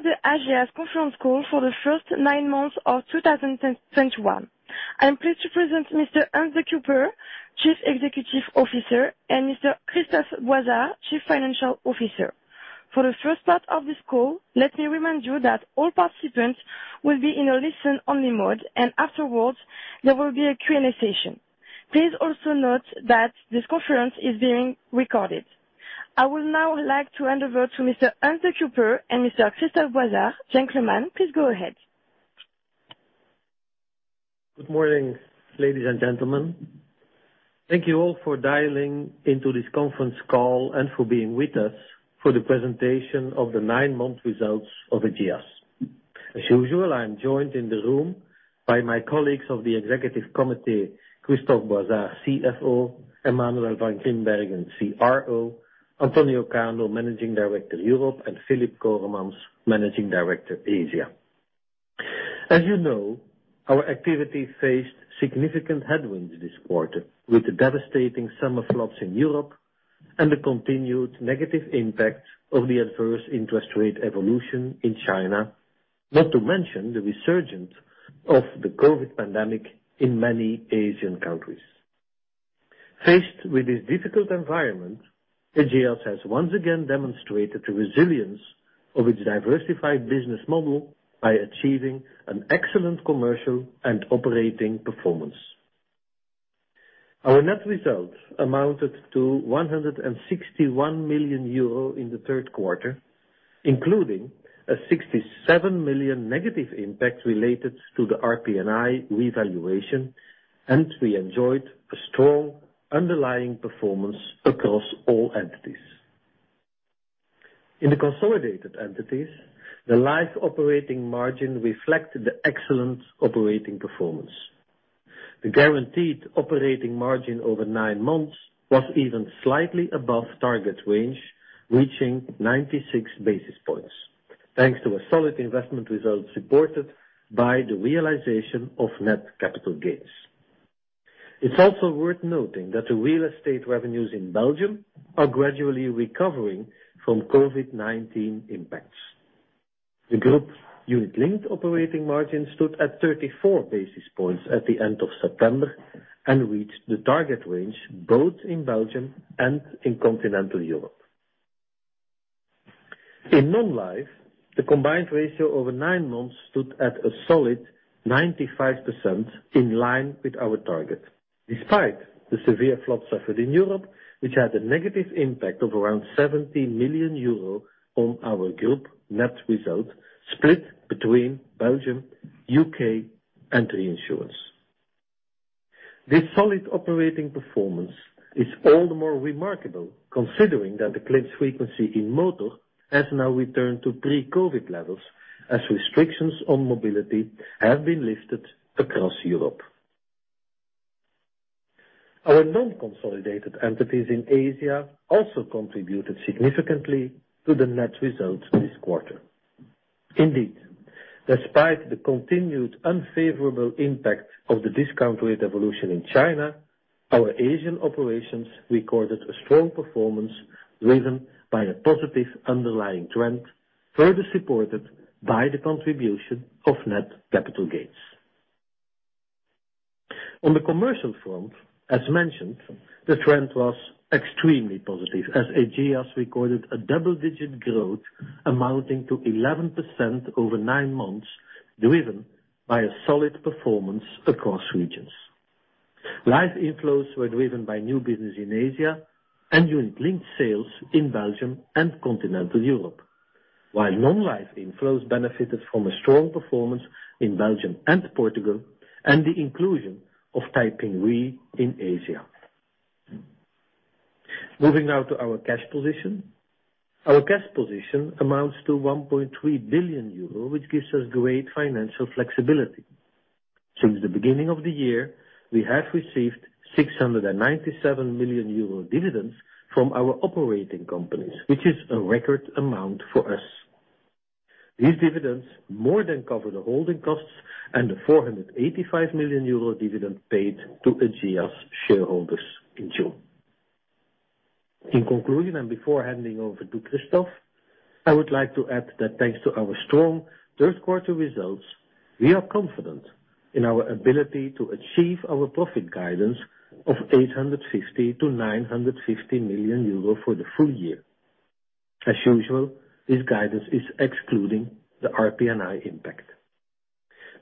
Welcome to the Ageas conference call for the first nine months of 2021. I am pleased to present Mr. Hans De Cuyper, Chief Executive Officer, and Mr. Christophe Boizard, Chief Financial Officer. For the first part of this call, let me remind you that all participants will be in a listen only mode, and afterwards there will be a Q&A session. Please also note that this conference is being recorded. I would now like to hand over to Mr. Hans De Cuyper and Mr. Christophe Boizard. Gentlemen, please go ahead. Good morning, ladies and gentlemen. Thank you all for dialing into this conference call and for being with us for the presentation of the nine-month results of Ageas. As usual, I am joined in the room by my colleagues of the executive committee, Christophe Boizard, CFO, Emmanuel Van Grimbergen, CRO, Antonio Cano, Managing Director, Europe, and Filip Coremans, Managing Director, Asia. As you know, our activity faced significant headwinds this quarter with the devastating summer floods in Europe and the continued negative impact of the adverse interest rate evolution in China. Not to mention the resurgence of the COVID pandemic in many Asian countries. Faced with this difficult environment, Ageas has once again demonstrated the resilience of its diversified business model by achieving an excellent commercial and operating performance. Our net results amounted to 161 million euro in the third quarter, including a 67 million negative impact related to the RPNI revaluation, and we enjoyed a strong underlying performance across all entities. In the consolidated entities, the life operating margin reflected the excellent operating performance. The guaranteed operating margin over nine months was even slightly above target range, reaching 96 basis points, thanks to a solid investment result supported by the realization of net capital gains. It's also worth noting that the real estate revenues in Belgium are gradually recovering from COVID-19 impacts. The group unit-linked operating margin stood at 34 basis points at the end of September and reached the target range both in Belgium and in continental Europe. In non-life, the combined ratio over nine months stood at a solid 95% in line with our target, despite the severe flood suffered in Europe, which had a negative impact of around 70 million euro on our group net result split between Belgium, U.K., and Reinsurance. This solid operating performance is all the more remarkable, considering that the claims frequency in motor has now returned to pre-COVID levels, as restrictions on mobility have been lifted across Europe. Our non-consolidated entities in Asia also contributed significantly to the net results this quarter. Indeed, despite the continued unfavorable impact of the discount rate evolution in China, our Asian operations recorded a strong performance driven by a positive underlying trend, further supported by the contribution of net capital gains. On the commercial front, as mentioned, the trend was extremely positive as Ageas recorded a double-digit growth amounting to 11% over nine months, driven by a solid performance across regions. Life inflows were driven by new business in Asia and unit-linked sales in Belgium and continental Europe. While non-life inflows benefited from a strong performance in Belgium and Portugal and the inclusion of Taiping Re in Asia. Moving now to our cash position. Our cash position amounts to 1.3 billion euro, which gives us great financial flexibility. Since the beginning of the year, we have received 697 million euro dividends from our operating companies, which is a record amount for us. These dividends more than cover the holding costs and the 485 million euro dividend paid to Ageas shareholders in June. In conclusion, and before handing over to Christophe, I would like to add that thanks to our strong third quarter results, we are confident in our ability to achieve our profit guidance of 850 million-950 million euro for the full year. As usual, this guidance is excluding the RPNI impact.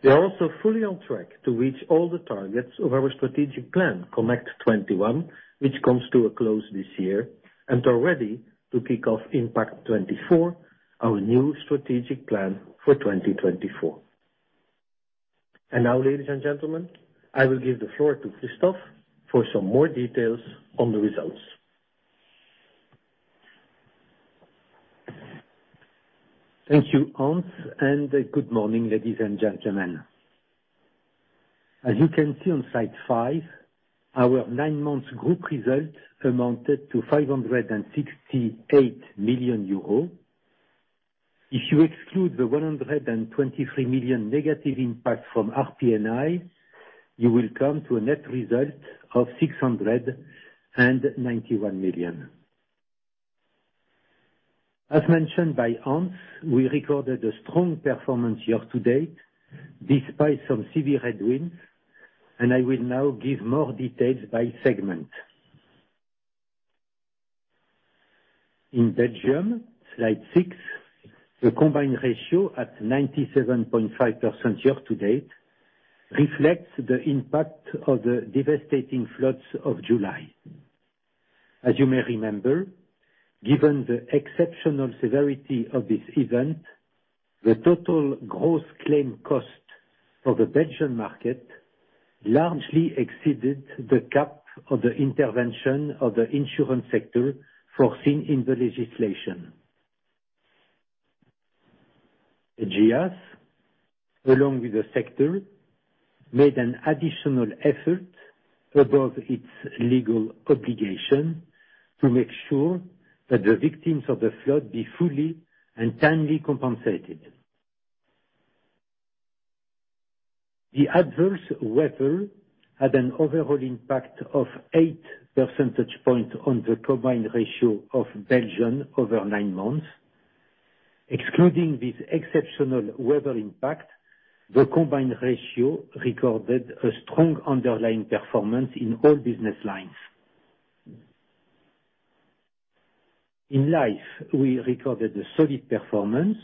We are also fully on track to reach all the targets of our strategic plan, Connect 21, which comes to a close this year, and are ready to kick off Impact 24, our new strategic plan for 2024. Now, ladies and gentlemen, I will give the floor to Christophe for some more details on the results. Thank you, Hans, and good morning, ladies and gentlemen. As you can see on slide five, our nine months group results amounted to 568 million euros. If you exclude the 123 million negative impact from RPNI, you will come to a net result of 691 million. As mentioned by Hans, we recorded a strong performance year to date despite some severe headwinds, and I will now give more details by segment. In Belgium, slide six, the combined ratio at 97.5% year to date reflects the impact of the devastating floods of July. As you may remember, given the exceptional severity of this event, the total gross claim cost for the Belgian market largely exceeded the cap of the intervention of the insurance sector foreseen in the legislation. Ageas, along with the sector, made an additional effort above its legal obligation to make sure that the victims of the flood be fully and timely compensated. The adverse weather had an overall impact of 8 percentage points on the combined ratio of Belgium over nine months. Excluding this exceptional weather impact, the combined ratio recorded a strong underlying performance in all business lines. In life, we recorded a solid performance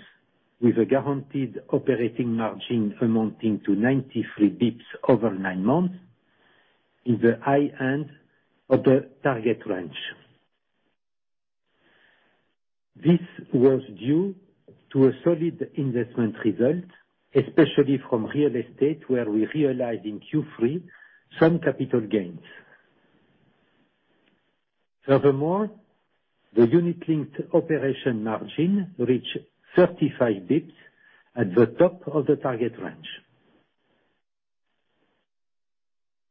with a guaranteed operating margin amounting to 93 basis points over nine months in the high end of the target range. This was due to a solid investment result, especially from real estate, where we realized in Q3 some capital gains. Furthermore, the unit-linked operating margin reached 35 basis points at the top of the target range.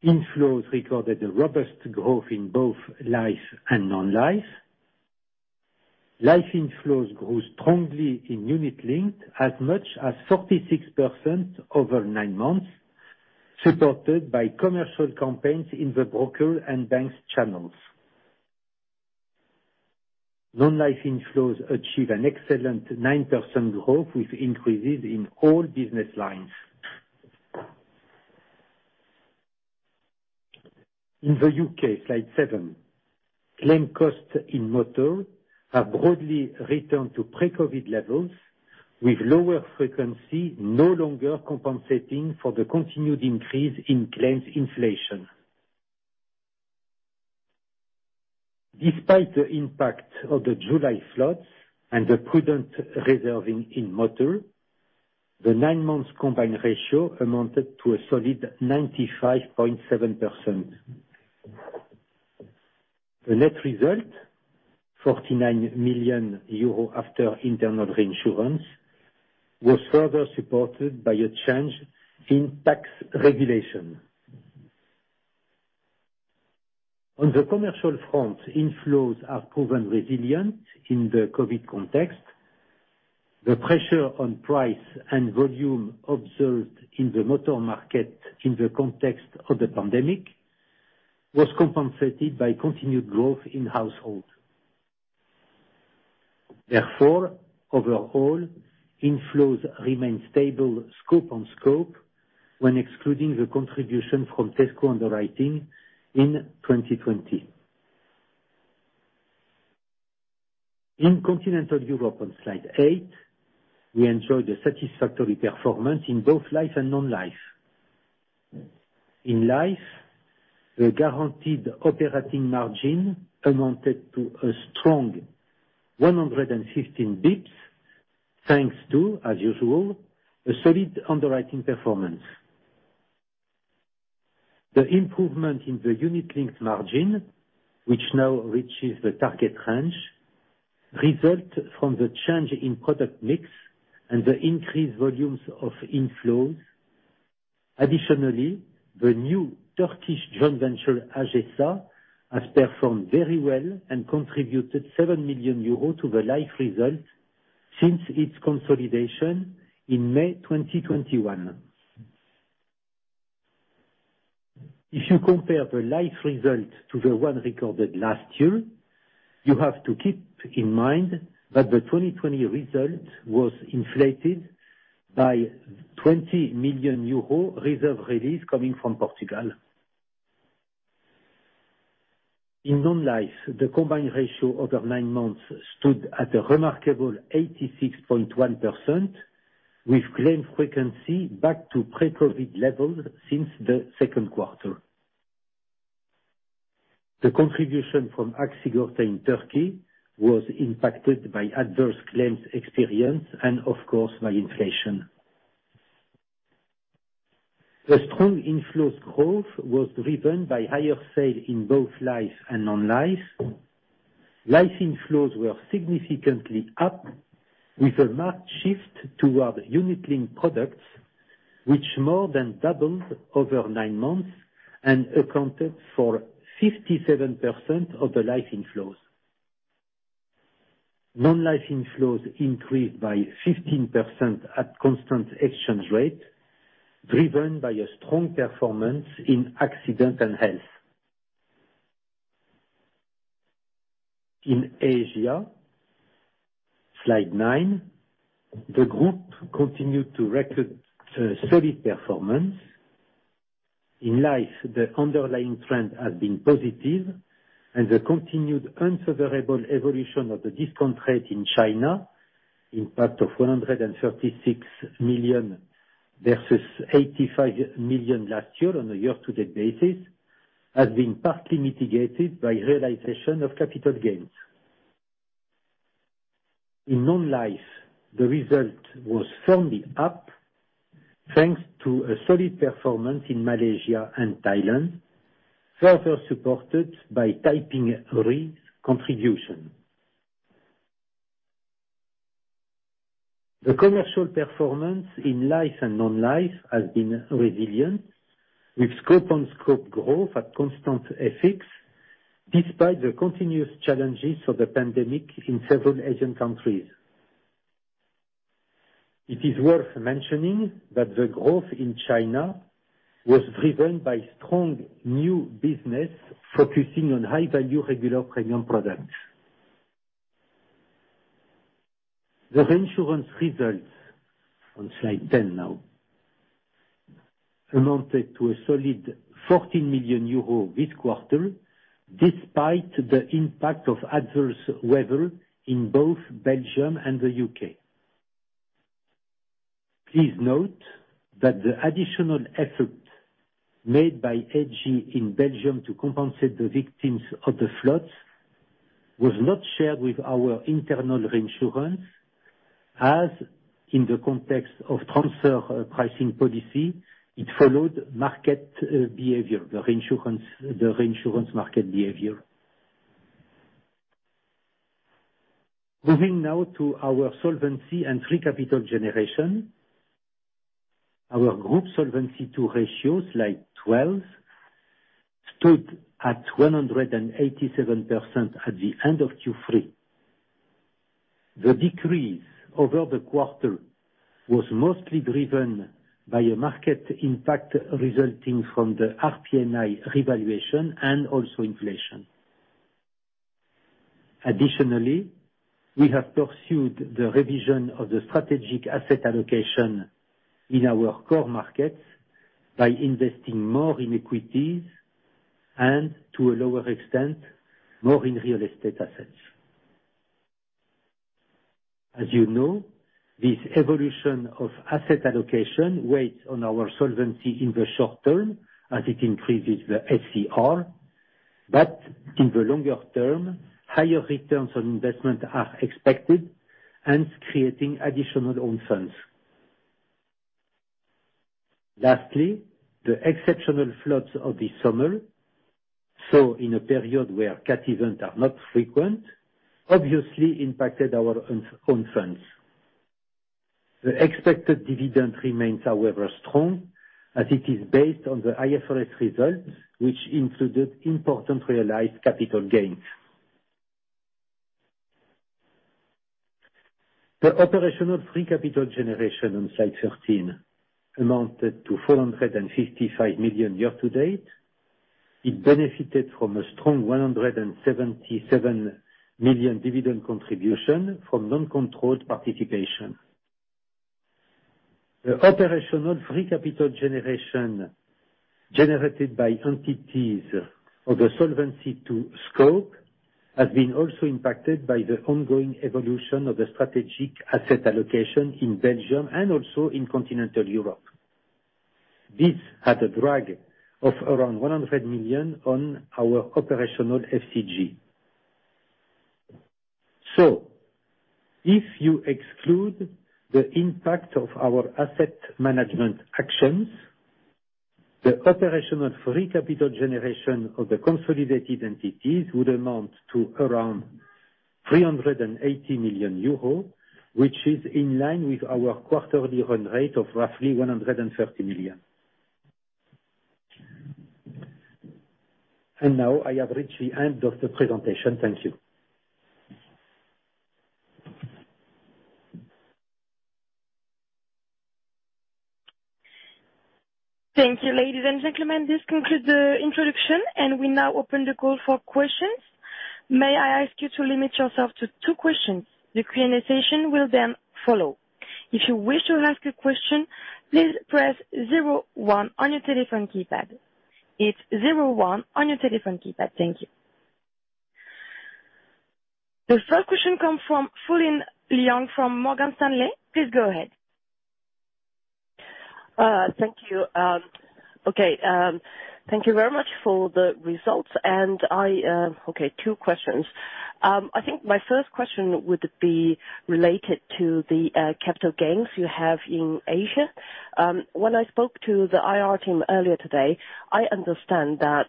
Inflows recorded a robust growth in both life and non-life. Life inflows grew strongly in unit-linked as much as 46% over nine months, supported by commercial campaigns in the broker and banks channels. Non-life inflows achieve an excellent 9% growth with increases in all business lines. In the U.K., slide seven, claim costs in motor have broadly returned to pre-COVID levels, with lower frequency no longer compensating for the continued increase in claims inflation. Despite the impact of the July floods and the prudent reserving in motor, the nine months combined ratio amounted to a solid 95.7%. The net result, 49 million euro after internal reinsurance, was further supported by a change in tax regulation. On the commercial front, inflows have proven resilient in the COVID context. The pressure on price and volume observed in the motor market in the context of the pandemic was compensated by continued growth in household. Therefore, overall, inflows remain stable scope on scope when excluding the contribution from Tesco Underwriting in 2020. In continental Europe on slide eight, we enjoyed a satisfactory performance in both life and non-life. In life, the guaranteed operating margin amounted to a strong 115 BPS, thanks to, as usual, a solid underwriting performance. The improvement in the unit-linked margin, which now reaches the target range, result from the change in product mix and the increased volumes of inflows. Additionally, the new Turkish joint venture, AgeSA, has performed very well and contributed 7 million euros to the life results since its consolidation in May 2021. If you compare the life results to the one recorded last year, you have to keep in mind that the 2020 result was inflated by 20 million euro reserve release coming from Portugal. In non-life, the combined ratio over nine months stood at a remarkable 86.1%, with claim frequency back to pre-COVID levels since the second quarter. The contribution from AXA Sigorta in Turkey was impacted by adverse claims experience and of course, by inflation. The strong inflows growth was driven by higher sales in both life and non-life. Life inflows were significantly up with a marked shift toward unit-linked products, which more than doubled over nine months and accounted for 57% of the life inflows. Non-life inflows increased by 15% at constant exchange rate, driven by a strong performance in accident and health. In Asia, Slide nine, the group continued to record solid performance. In life, the underlying trend has been positive and the continued unfavorable evolution of the discount rate in China, impact of 136 million versus 85 million last year on a year-to-date basis, has been partly mitigated by realization of capital gains. In non-life, the result was firmly up thanks to a solid performance in Malaysia and Thailand, further supported by Taiping Re contribution. The commercial performance in life and non-life has been resilient with scope-on-scope growth at constant FX despite the continuous challenges of the pandemic in several Asian countries. It is worth mentioning that the growth in China was driven by strong new business focusing on high-value regular premium products. The reinsurance results, on slide 10 now, amounted to a solid 14 million euro this quarter despite the impact of adverse weather in both Belgium and the U.K. Please note that the additional effort made by AG in Belgium to compensate the victims of the floods was not shared with our internal reinsurance, as in the context of transfer pricing policy, it followed market behavior, the reinsurance market behavior. Moving now to our solvency and free capital generation. Our group Solvency II ratios, slide 12, stood at 187% at the end of Q3. The decrease over the quarter was mostly driven by a market impact resulting from the RPNI revaluation and also inflation. Additionally, we have pursued the revision of the strategic asset allocation in our core markets by investing more in equities and to a lower extent, more in real estate assets. As you know, this evolution of asset allocation weighs on our solvency in the short term as it increases the SCR, but in the longer term, higher returns on investment are expected, hence creating additional own funds. Lastly, the exceptional floods of this summer, so in a period where cat events are not frequent, obviously impacted our own funds. The expected dividend remains however strong as it is based on the IFRS results, which included important realized capital gains. The operational free capital generation on slide 13 amounted to 455 million year to date. It benefited from a strong 177 million dividend contribution from non-controlled participation. The operational free capital generation generated by entities of the Solvency II scope has been also impacted by the ongoing evolution of the strategic asset allocation in Belgium and also in continental Europe. This had a drag of around 100 million on our operational FCG. If you exclude the impact of our asset management actions, the operational free capital generation of the consolidated entities would amount to around 380 million euro, which is in line with our quarterly run rate of roughly 130 million. Now I have reached the end of the presentation. Thank you. Thank you, ladies and gentlemen. This concludes the introduction, and we now open the call for questions. May I ask you to limit yourself to two questions. The Q&A session will then follow. If you wish to ask a question, please press Zero One on your telephone keypad. It's Zero One on your telephone keypad. Thank you. The first question comes from Julien Liang from Morgan Stanley. Please go ahead. Thank you very much for the results. I have two questions. I think my first question would be related to the capital gains you have in Asia. When I spoke to the IR team earlier today, I understand that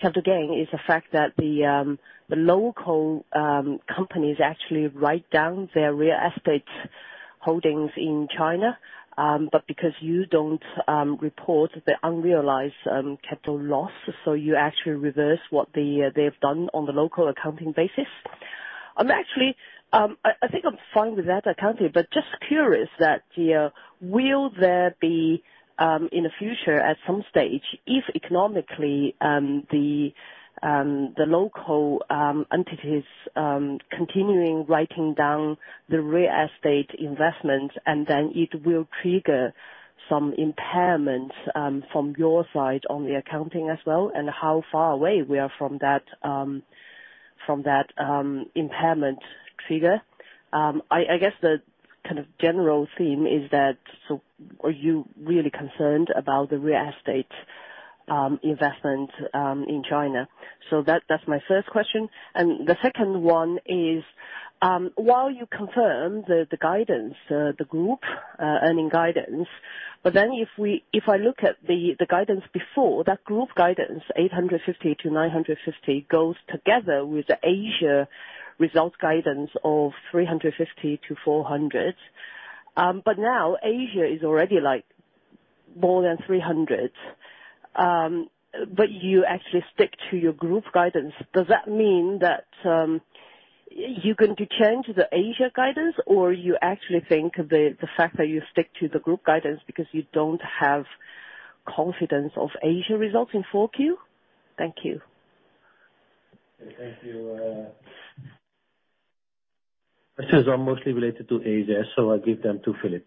capital gain is the fact that the local companies actually write down their real estate holdings in China, but because you don't report the unrealized capital loss, so you actually reverse what they've done on the local accounting basis. Actually, I think I'm fine with that accounting, but just curious, will there be in the future, at some stage, if economically the local entities continuing writing down the real estate investments and then it will trigger some impairments from your side on the accounting as well? And how far away we are from that impairment trigger? I guess the kind of general theme is that. Are you really concerned about the real estate investment in China? That's my first question. The second one is, while you confirm the guidance, the group earnings guidance, but then if I look at the guidance before, that group guidance, 850 million-950 million goes together with the Asia results guidance of 350 million-400 million. But now Asia is already like more than 300 million, but you actually stick to your group guidance. Does that mean that you're going to change the Asia guidance, or you actually think the fact that you stick to the group guidance because you don't have confidence of Asia results in Q4? Thank you. Thank you. These are mostly related to Asia, so I'll give them to Filip.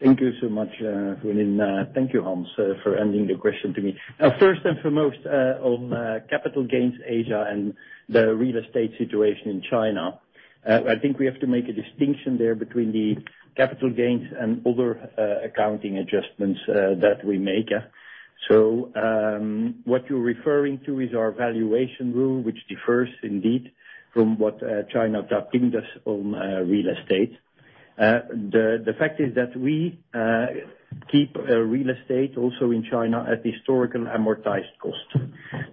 Thank you so much, Helene. Thank you, Hans, for sending the question to me. First and foremost, on capital gains Asia and the real estate situation in China. I think we have to make a distinction there between the capital gains and other accounting adjustments that we make. What you're referring to is our valuation rule, which differs indeed from what China Taiping does on real estate. The fact is that we keep real estate also in China at historical amortized cost.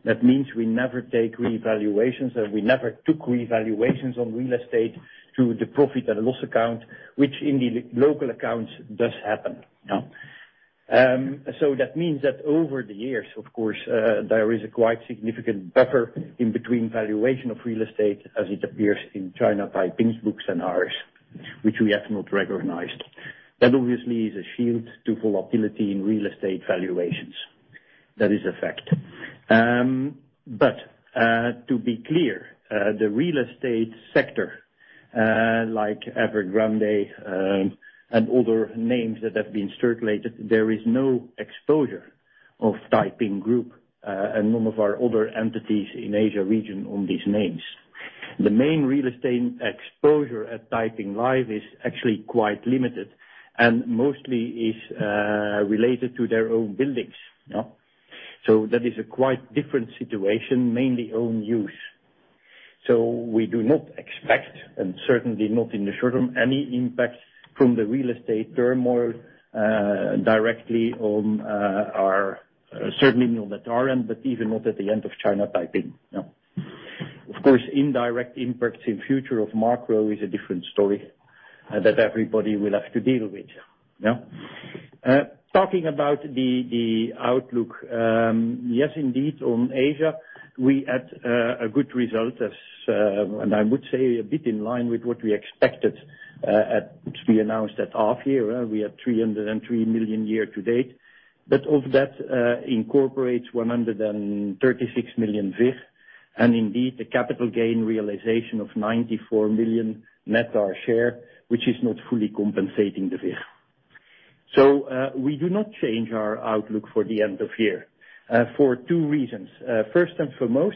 That means we never take revaluations, and we never took revaluations on real estate through the profit and loss account, which in the local accounts does happen. That means that over the years, of course, there is a quite significant buffer in between valuation of real estate as it appears in China Taiping's books and ours, which we have not recognized. That obviously is a shield to volatility in real estate valuations. That is a fact. To be clear, the real estate sector, like Evergrande, and other names that have been circulated, there is no exposure of Taiping Group, and none of our other entities in Asia region on these names. The main real estate exposure at Taiping Life is actually quite limited and mostly is related to their own buildings. That is a quite different situation, mainly own use. We do not expect, and certainly not in the short term, any impact from the real estate turmoil, directly on, our, certainly not on our end, but even not at the end of China Taiping, you know. Of course, indirect impacts in future of macro is a different story, that everybody will have to deal with, you know. Talking about the outlook, yes, indeed, on Asia, we had a good result as and I would say a bit in line with what we expected, at which we announced at half year. We had 303 million year to date. Of that incorporates 136 million VIF and indeed a capital gain realization of 94 million net our share, which is not fully compensating the VIF. We do not change our outlook for the end-of-year, for two reasons. First and foremost,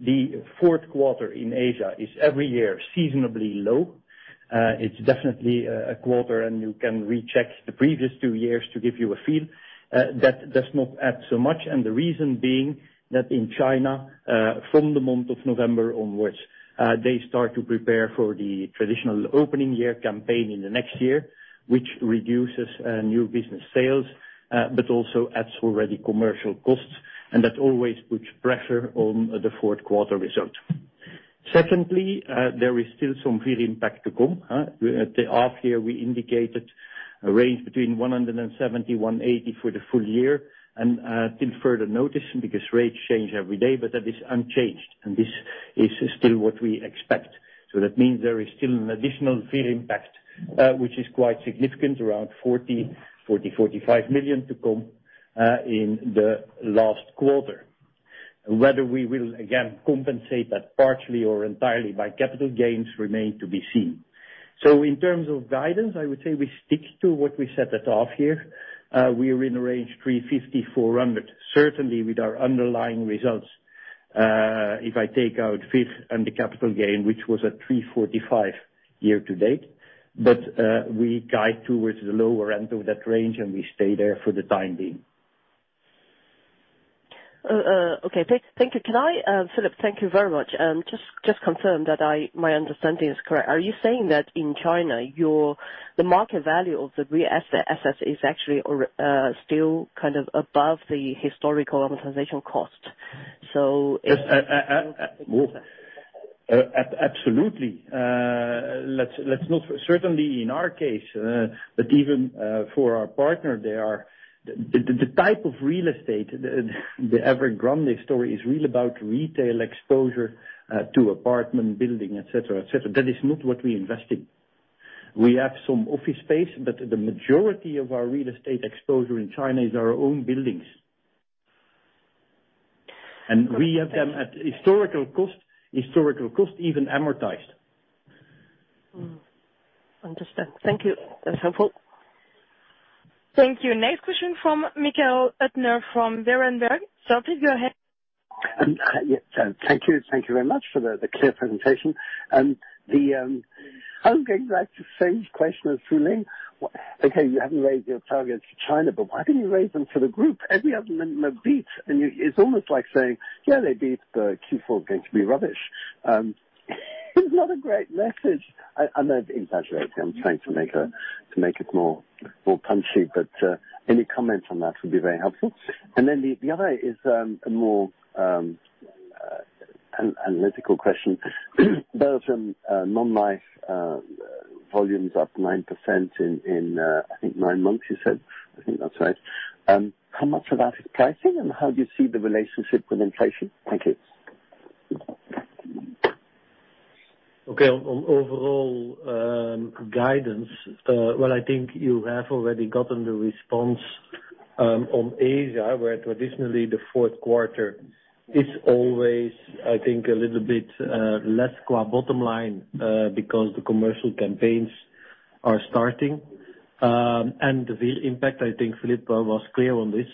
the fourth quarter in Asia is every year seasonally low. It's definitely a quarter, and you can recheck the previous two years to give you a feel that does not add so much. The reason being that in China, from the month of November onwards, they start to prepare for the traditional opening year campaign in the next year, which reduces new business sales, but also adds already commercial costs, and that always puts pressure on the fourth quarter results. Secondly, there is still some VIF impact to come. At the half year, we indicated a range between 170-180 for the full year and till further notice because rates change every day, but that is unchanged, and this is still what we expect. That means there is still an additional VIF impact, which is quite significant, around 40 million-45 million to come in the last quarter. Whether we will again compensate that partially or entirely by capital gains remain to be seen. In terms of guidance, I would say we stick to what we set at half year. We are in the range 350-400. Certainly, with our underlying results, if I take out VIF and the capital gain, which was at 345 year to date, but we guide towards the lower end of that range, and we stay there for the time being. Okay. Thank you. Can I, Filip, thank you very much. Just confirm that my understanding is correct. Are you saying that in China, your, the market value of the real assets is actually or still kind of above the historical amortization cost? Yes. Well, absolutely. Let's not forget certainly in our case, but even for our partner, they are the type of real estate, the Evergrande story is really about retail exposure to apartment building, et cetera, et cetera. That is not what we invest in. We have some office space, but the majority of our real estate exposure in China is our own buildings. We have them at historical cost, even amortized. I understand. Thank you. That's helpful. Thank you. Next question from Michael Huttner from Berenberg. Sir, please go ahead. Yeah, thank you. Thank you very much for the clear presentation. I was going back to the same question as Julien Liang. Okay, you haven't raised your targets for China, but why haven't you raised them for the group? Every other member beat, and you. It's almost like saying, "Yeah, they beat, but Q4 going to be rubbish." It's not a great message. I know I'm exaggerating. I'm trying to make it more punchy. Any comment on that would be very helpful. Then the other is a more analytical question. Belgium non-life volumes up 9% in nine months you said. I think that's right. How much of that is pricing and how do you see the relationship with inflation? Thank you. Okay. On overall guidance, well, I think you have already gotten the response on Asia, where traditionally the fourth quarter is always, I think, a little bit less to the bottom line because the commercial campaigns are starting. The real impact, I think Philippe was clear on this.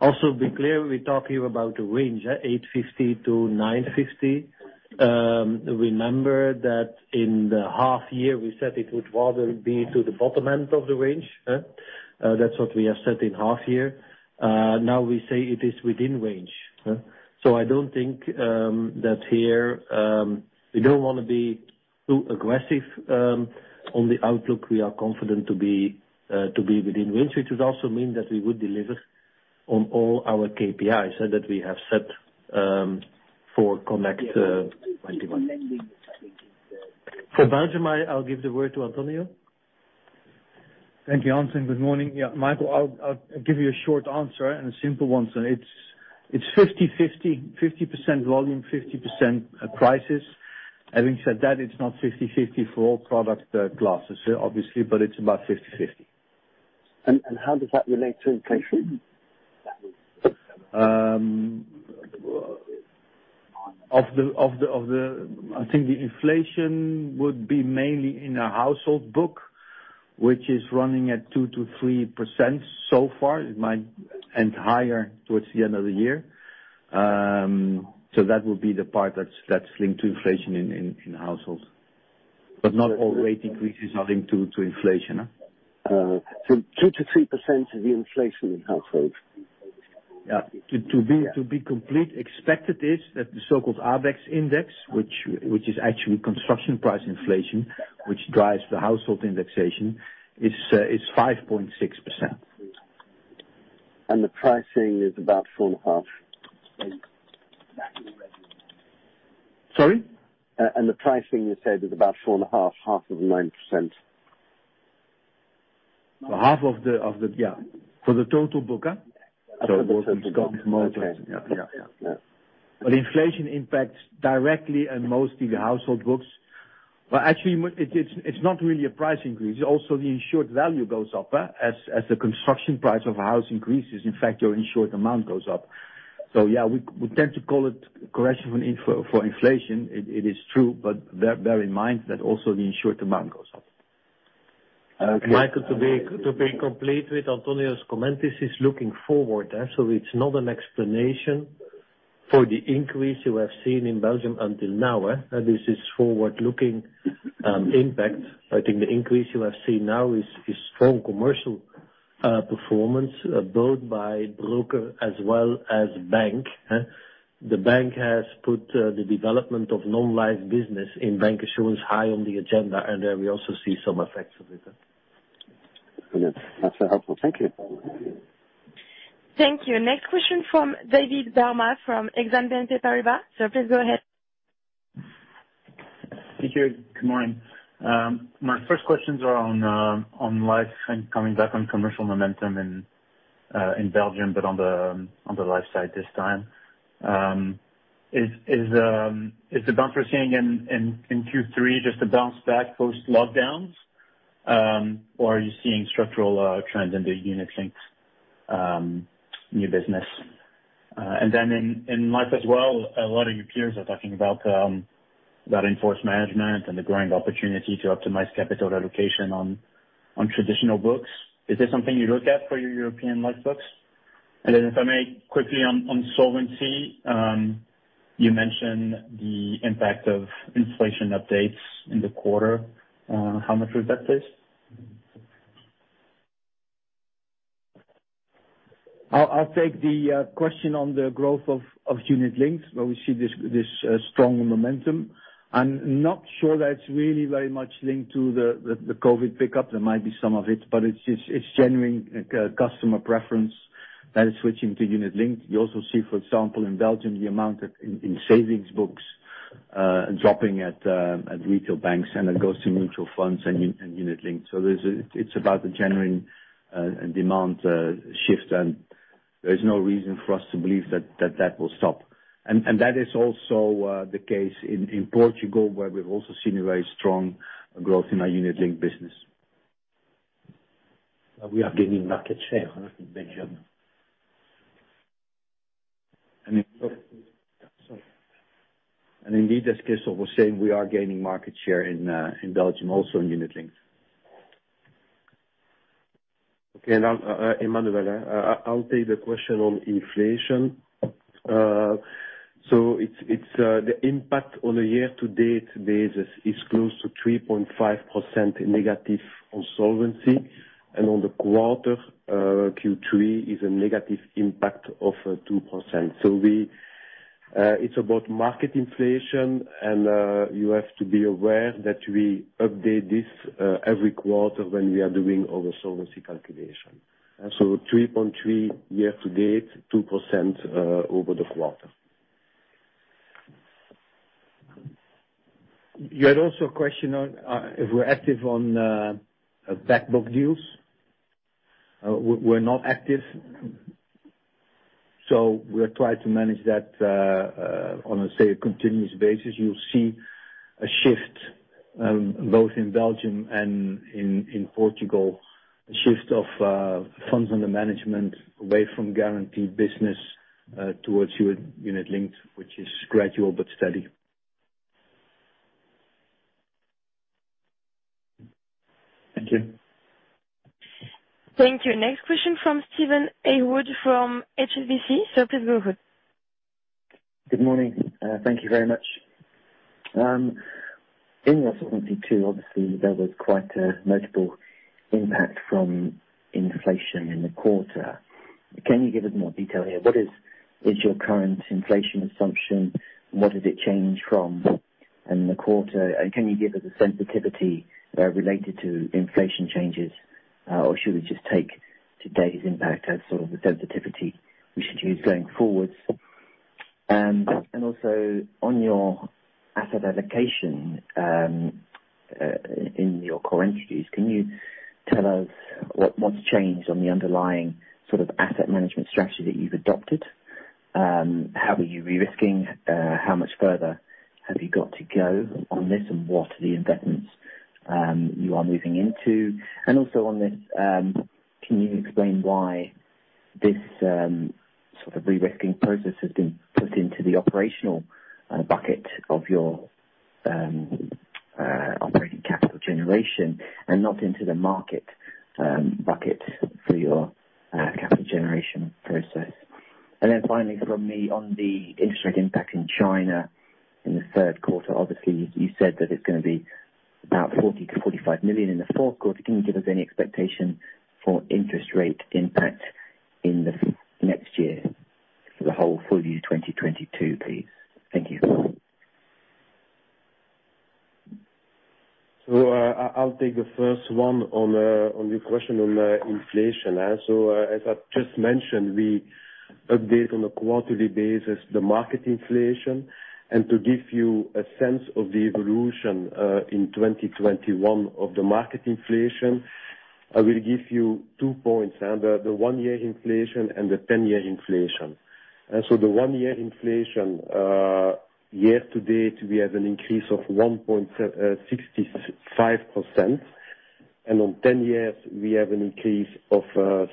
Also, to be clear, we talk here about the range 850-950. Remember that in the half year we said it would rather be to the bottom end of the range. That's what we have said in half year. Now we say it is within range. I don't think that here we don't wanna be too aggressive on the outlook. We are confident to be within range, which would also mean that we would deliver on all our KPIs that we have set for Connect21. For Belgium, I'll give the word to Antonio. Thank you, Hans. Good morning. Yeah, Michael, I'll give you a short answer and a simple one. It's 50/50% volume, 50% prices. Having said that, it's not 50/50 for all product classes, obviously, but it's about 50/50. How does that relate to inflation? I think the inflation would be mainly in our household book, which is running at 2%-3% so far. It might end higher towards the end of the year. That would be the part that's linked to inflation in households. Not all rate increases are linked to inflation. 2%-3% of the inflation in households? Yeah. To be complete, expected is that the so-called ABEX index, which is actually construction price inflation, which drives the household indexation, is 5.6%. The pricing is about 4.5%? Sorry? The pricing, you said, is about 4.5%, half of the 9%. Half of the. Yeah. For the total book? For the total book. Okay. Inflation impacts directly and mostly the household books. Actually it's not really a price increase. Also the insured value goes up, as the construction price of a house increases. In fact your insured amount goes up. Yeah, we tend to call it correction for inflation. It is true, but bear in mind that also the insured amount goes up. Okay. Michael, to be complete with Antonio's comment, this is looking forward. It's not an explanation for the increase you have seen in Belgium until now. This is forward-looking impact. I think the increase you have seen now is strong commercial performance both by broker as well as bank. The bank has put the development of non-life business in bank assurance high on the agenda, and there we also see some effects of it. Brilliant. That's helpful. Thank you. Thank you. Next question from David Barma, from Exane BNP Paribas. Sir, please go ahead. Thank you. Good morning. My first questions are on life and coming back on commercial momentum in Belgium, but on the life side this time. Is the bounce we're seeing in Q3 just a bounce back post lockdowns, or are you seeing structural trends in the unit links new business? And then in life as well, a lot of your peers are talking about that enforced management and the growing opportunity to optimize capital allocation on traditional books. Is this something you look at for your European life books? And then if I may, quickly on solvency, you mentioned the impact of inflation updates in the quarter. How much was that, please? I'll take the question on the growth of unit links, where we see this strong momentum. I'm not sure that's really very much linked to the COVID pickup. There might be some of it, but it's genuine customer preference that is switching to unit link. You also see, for example, in Belgium, the amount of savings books. Dropping at retail banks, and it goes to mutual funds and unit-linked. It's about the genuine demand shift, and there is no reason for us to believe that will stop. That is also the case in Portugal, where we've also seen a very strong growth in our unit-linked business. We are gaining market share in Belgium. And in- Sorry. Indeed, as Christophe was saying, we are gaining market share in Belgium also, in unit-linked. Okay. I'll take the question on inflation, Emmanuel. It's the impact on a year-to-date basis is close to 3.5% negative on Solvency. On the quarter, Q3 is a negative impact of 2%. It's about market inflation, and you have to be aware that we update this every quarter when we are doing our solvency calculation. 3.3 year-to-date, 2% over the quarter. You had also a question on if we're active on back book deals. We're not active. We try to manage that on a, say, a continuous basis. You'll see a shift both in Belgium and in Portugal, a shift of funds under management away from Guaranteed business towards unit-linked, which is gradual but steady. Thank you. Thank you. Next question from Steven Haywood from HSBC. Please go ahead. Good morning. Thank you very much. In your Solvency II, obviously, there was quite a notable impact from inflation in the quarter. Can you give us more detail here? What is your current inflation assumption? What did it change from in the quarter? And can you give us a sensitivity related to inflation changes, or should we just take today's impact as sort of the sensitivity we should use going forwards? And also on your asset allocation in your core entities, can you tell us what's changed on the underlying sort of asset management strategy that you've adopted? How are you re-risking? How much further have you got to go on this, and what are the investments you are moving into? Also on this, can you explain why this sort of re-risking process has been put into the operational bucket of your operating capital generation and not into the market bucket for your capital generation process? Finally from me on the interest rate impact in China in the third quarter, obviously you said that it's gonna be about 40 million-45 million in the fourth quarter. Can you give us any expectation for interest rate impact in the next year for the full year 2022, please? Thank you. I'll take the first one on your question on inflation. As I just mentioned, we update on a quarterly basis the market inflation. To give you a sense of the evolution in 2021 of the market inflation, I will give you two points, the one-year inflation and the ten-year inflation. The one-year inflation year to date, we have an increase of 1.65%. On 10 years, we have an increase of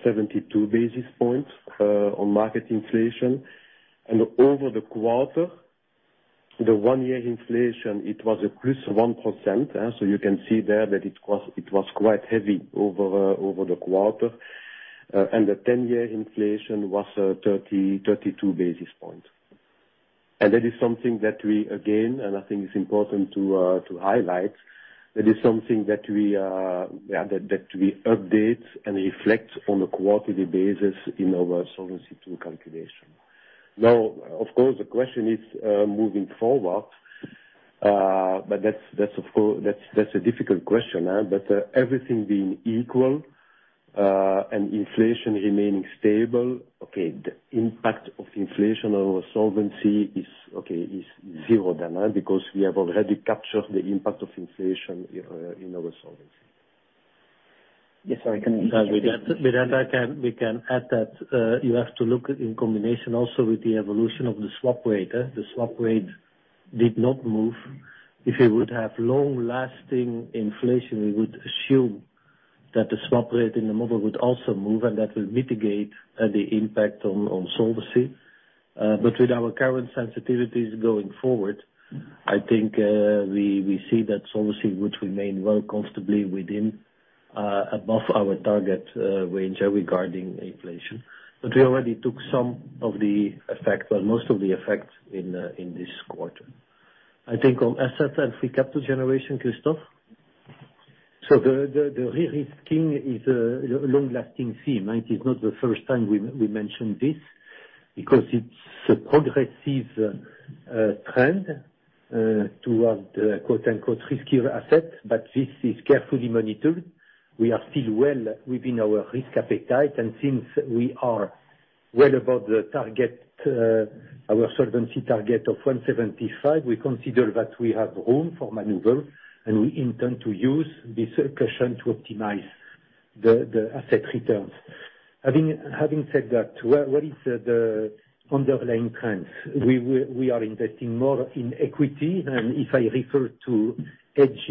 72 basis points on market inflation. Over the quarter, the one-year inflation, it was a plus 1%, you can see there that it was quite heavy over the quarter. The ten-year inflation was 32 basis points. That is something that we again, and I think it's important to highlight, that we update and reflect on a quarterly basis in our Solvency II calculation. Of course, the question is moving forward, but that's of course a difficult question, but everything being equal, and inflation remaining stable, the impact of inflation on our Solvency II is zero then, because we have already captured the impact of inflation in our Solvency II. Yes, sorry. With that, we can add that you have to look in combination also with the evolution of the swap rate, the swap rate did not move. If you would have long-lasting inflation, we would assume that the swap rate in the model would also move, and that will mitigate the impact on solvency. With our current sensitivities going forward, I think we see that solvency would remain well comfortably within above our target range regarding inflation. We already took some of the effects or most of the effects in this quarter. I think on assets and free capital generation, Christophe? The re-risking is a long-lasting theme. It is not the first time we mention this because it's a progressive trend towards the quote-unquote "riskier assets," but this is carefully monitored. We are still well within our risk appetite. Since we are Well, about the target, our Solvency target of 175%, we consider that we have room for maneuver, and we intend to use this occasion to optimize the asset returns. Having said that, what is the underlying trends? We are investing more in equity, and if I refer to AG,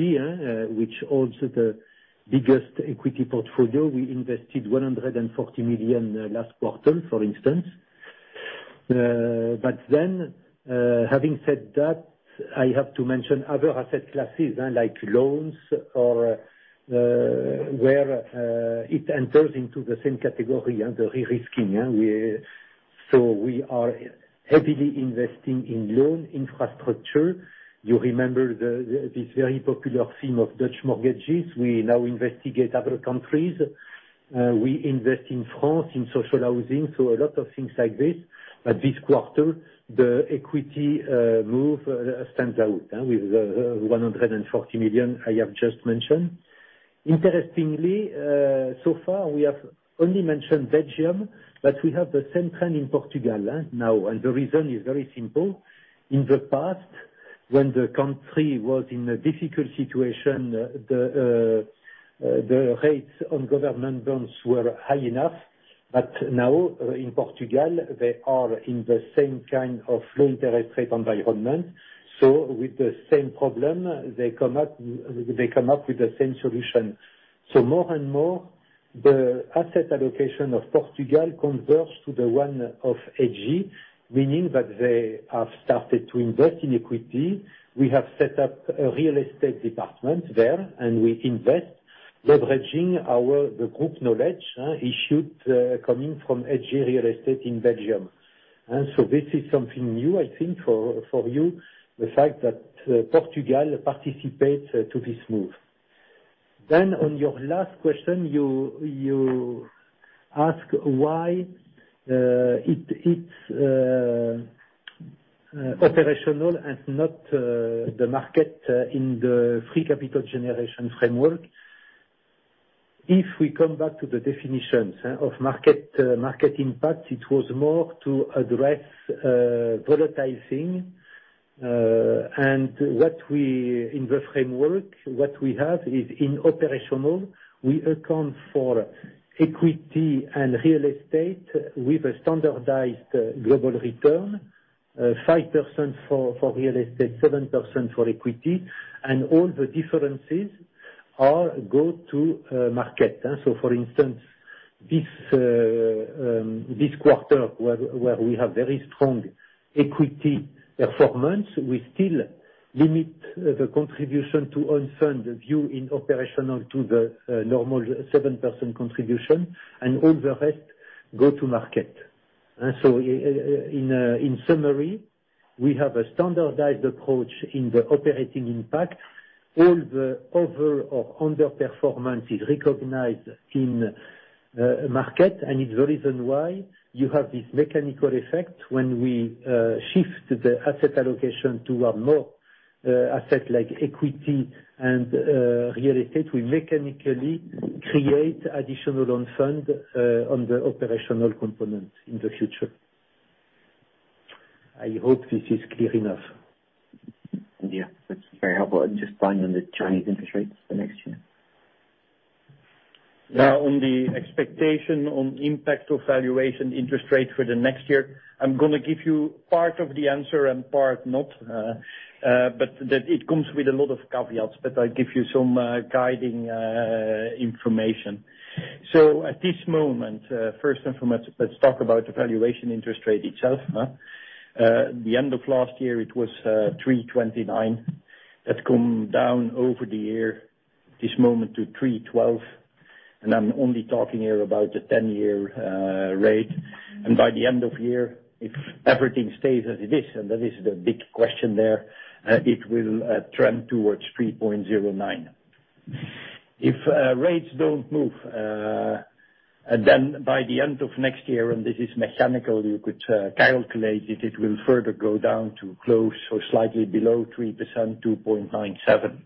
which holds the biggest equity portfolio, we invested 140 million last quarter, for instance. Having said that, I have to mention other asset classes, like loans or where it enters into the same category as the risking. We are heavily investing in infrastructure loans. You remember this very popular theme of Dutch mortgages. We now investigate other countries. We invest in France, in social housing, so a lot of things like this. This quarter, the equity move stands out with the 140 million I have just mentioned. Interestingly, so far, we have only mentioned Belgium, but we have the same plan in Portugal now, and the reason is very simple. In the past, when the country was in a difficult situation, the rates on government bonds were high enough. Now, in Portugal, they are in the same kind of low interest rate environment. With the same problem, they come up with the same solution. More and more, the asset allocation of Portugal converts to the one of AG, meaning that they have started to invest in equity. We have set up a real estate department there, and we invest, leveraging our group knowledge used coming from AG Real Estate in Belgium. This is something new, I think, for you, the fact that Portugal participates in this move. On your last question, you ask why it's operational and not the market in the free capital generation framework. If we come back to the definitions of market impact, it was more to address prioritizing. In the framework, what we have is in operational, we account for equity and real estate with a standardized global return, 5% for real estate, 7% for equity, and all the differences go to market. For instance, this quarter where we have very strong equity performance, we still limit the contribution to own funds view in operational to the normal 7% contribution, and all the rest go to market. In summary, we have a standardized approach in the operating impact. All the over or underperformance is recognized in market, and it's the reason why you have this mechanical effect when we shift the asset allocation toward more assets like equity and real estate, we mechanically create additional own funds on the operational components in the future. I hope this is clear enough. Yeah. That's very helpful. Just finally, on the Chinese interest rates for next year. On the expectation on impact to valuation interest rate for the next year, I'm gonna give you part of the answer and part not. It comes with a lot of caveats, but I'll give you some guiding information. At this moment, first and foremost, let's talk about the valuation interest rate itself. At the end of last year, it was 3.29%. That's come down over the year, this moment to 3.12%, and I'm only talking here about the 10-year rate. By the end of year, if everything stays as it is, and that is the big question there, it will trend towards 3.09%. If rates don't move, then by the end of next year, and this is mechanical, you could calculate it will further go down to close or slightly below 3%, 2.97%.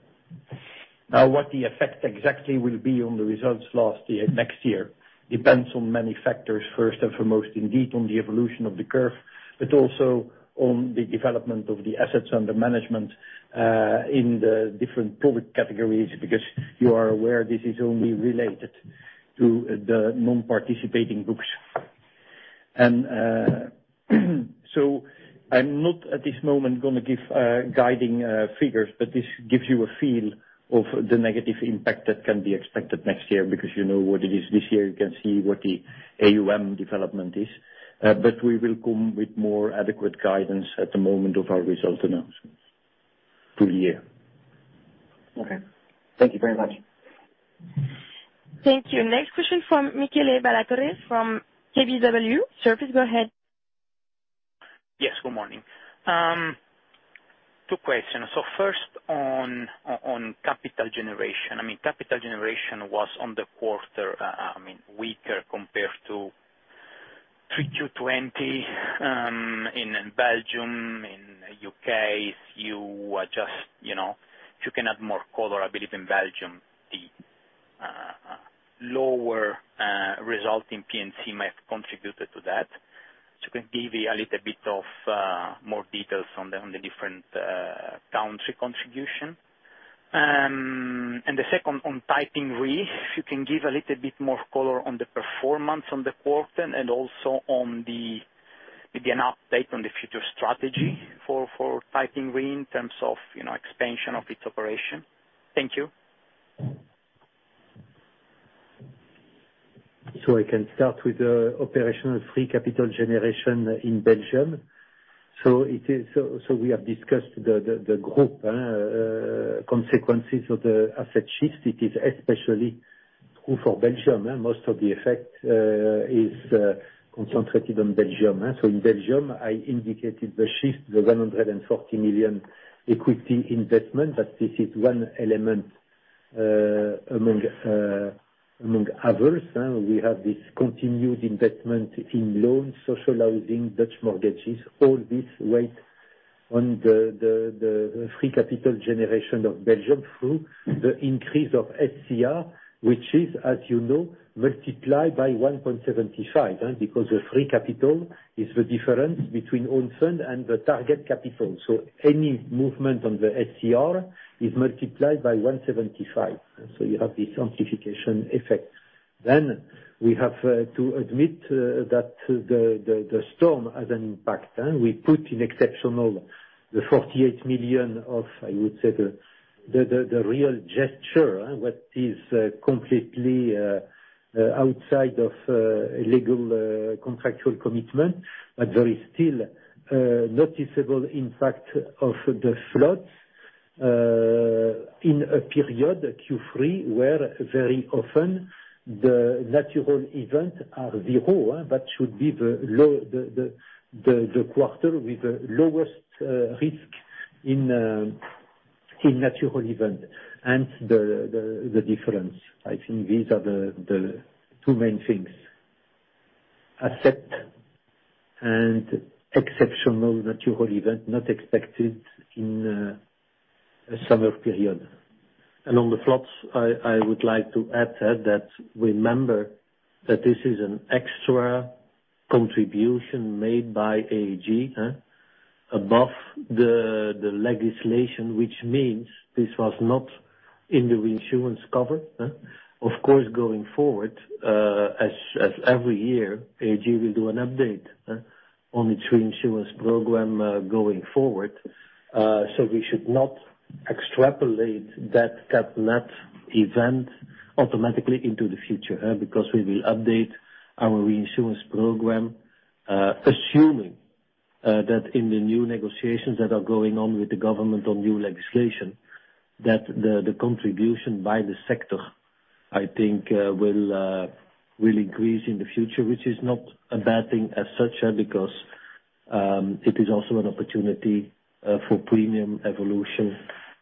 Now, what the effect exactly will be on the results last year, next year, depends on many factors. First and foremost, indeed, on the evolution of the curve, but also on the development of the assets under management in the different product categories, because you are aware this is only related to the non-participating groups. So I'm not at this moment gonna give guiding figures, but this gives you a feel of the negative impact that can be expected next year because you know what it is this year, you can see what the AUM development is. We will come with more adequate guidance at the moment of our result announcements through the year. Okay. Thank you very much. Thank you. Next question from Michele Ballatore from KBW. Sir, please go ahead. Yes. Good morning. Two questions. First on capital generation. I mean, capital generation was in the quarter, I mean, weaker compared to 3.20%, in Belgium, in U.K. If you were just, you know, if you can add more color, I believe in Belgium, the lower resulting PNC might have contributed to that. Can give me a little bit of more details on the different country contribution. And the second, on Taiping Re, if you can give a little bit more color on the performance in the quarter and also on the, maybe an update on the future strategy for Taiping Re in terms of, you know, expansion of its operation. Thank you. I can start with the operational free capital generation in Belgium. It is, we have discussed the group consequences of the asset shift. It is especially true for Belgium, and most of the effect is concentrated on Belgium. In Belgium, I indicated the shift, the 140 million equity investment, but this is one element among others. We have this continued investment in loans, social housing, Dutch mortgages, all this weight on the free capital generation of Belgium through the increase of SCR, which is, as you know, multiplied by 1.75. Because the free capital is the difference between own fund and the target capital. Any movement on the SCR is multiplied by 1.75. You have this amplification effect. We have to admit that the storm has an impact. We put in exceptional the 48 million of, I would say, the real estate, what is completely outside of legal contractual commitment. There is still noticeable impact of the floods in a period, Q3, where very often the natural events are zero. That should be the quarter with the lowest risk in natural event. Hence the difference. I think these are the two main things. Asset and exceptional natural event, not expected in a summer period. On the floods, I would like to add that remember that this is an extra contribution made by AG above the legislation, which means this was not in the reinsurance cover. Of course, going forward, as every year, AG will do an update on its reinsurance program, going forward. So we should not extrapolate that cat net event automatically into the future, because we will update our reinsurance program, assuming that in the new negotiations that are going on with the government on new legislation, that the contribution by the sector, I think, will increase in the future, which is not a bad thing as such, because it is also an opportunity for premium evolution,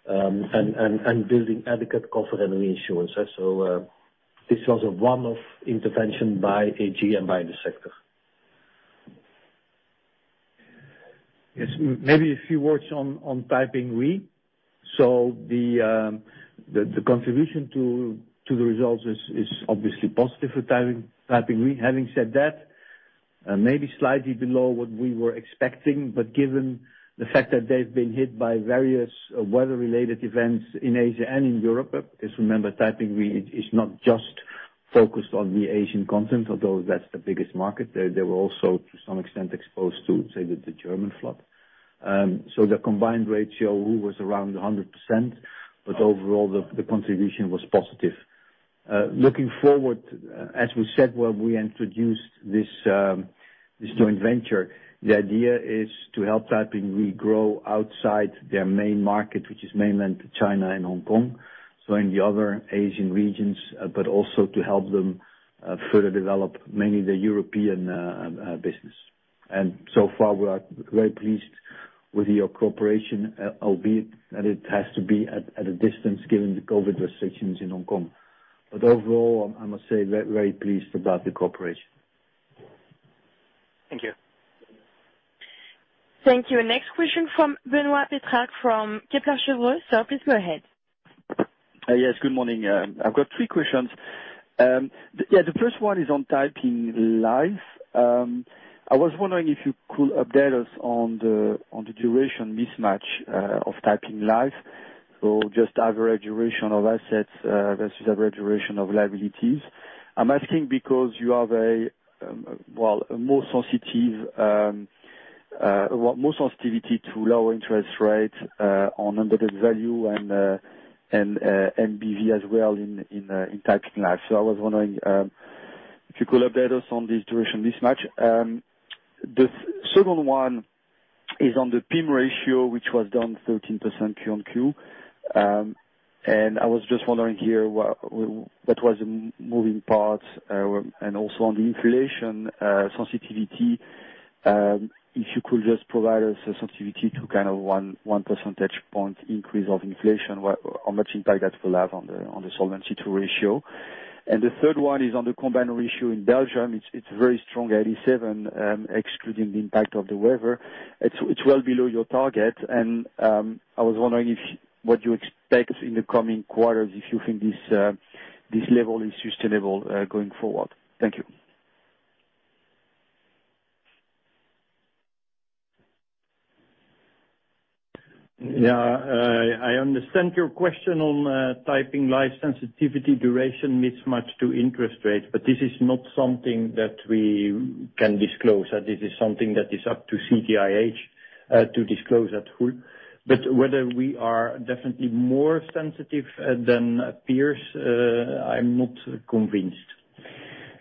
and building adequate cover and reinsurance. This was a one-off intervention by AG and by the sector. Yes, maybe a few words on Taiping Re. The contribution to the results is obviously positive for Taiping Re. Having said that, maybe slightly below what we were expecting, but given the fact that they've been hit by various weather-related events in Asia and in Europe, because remember, Taiping Re is not just focused on the Asian continent, although that's the biggest market. They were also, to some extent, exposed to, say, the German flood. The combined ratio was around 100%, but overall the contribution was positive. Looking forward, as we said when we introduced this joint venture, the idea is to help Taiping Re grow outside their main market, which is mainland China and Hong Kong, so in the other Asian regions, but also to help them, further develop mainly the European business. We are very pleased with your cooperation, albeit that it has to be at a distance given the COVID restrictions in Hong Kong. Overall, I must say very, very pleased about the cooperation. Thank you. Thank you. Next question from Benoît Pétrarque from Kepler Cheuvreux, so please go ahead. Yes, good morning. I've got three questions. Yeah, the first one is on Taiping Life. I was wondering if you could update us on the duration mismatch of Taiping Life. So just average duration of assets versus average duration of liabilities. I'm asking because you have a well, a more sensitive well, more sensitivity to lower interest rates on embedded value and NBV as well in Taiping Life. So I was wondering if you could update us on this duration mismatch. The second one is on the PIM ratio, which was down 13% Q-on-Q. I was just wondering here, what was the moving parts, and also on the inflation sensitivity, if you could just provide us a sensitivity to kind of 1 percentage point increase of inflation, how much impact that will have on the Solvency II ratio. The third one is on the combined ratio in Belgium. It's very strong, 87, excluding the impact of the weather. It's well below your target, and I was wondering what you expect in the coming quarters, if you think this level is sustainable going forward. Thank you. Yeah, I understand your question on Taiping Life sensitivity duration mismatch to interest rates, but this is not something that we can disclose. That is something that is up to CTIH to disclose in full. Whether we are definitely more sensitive than peers, I'm not convinced.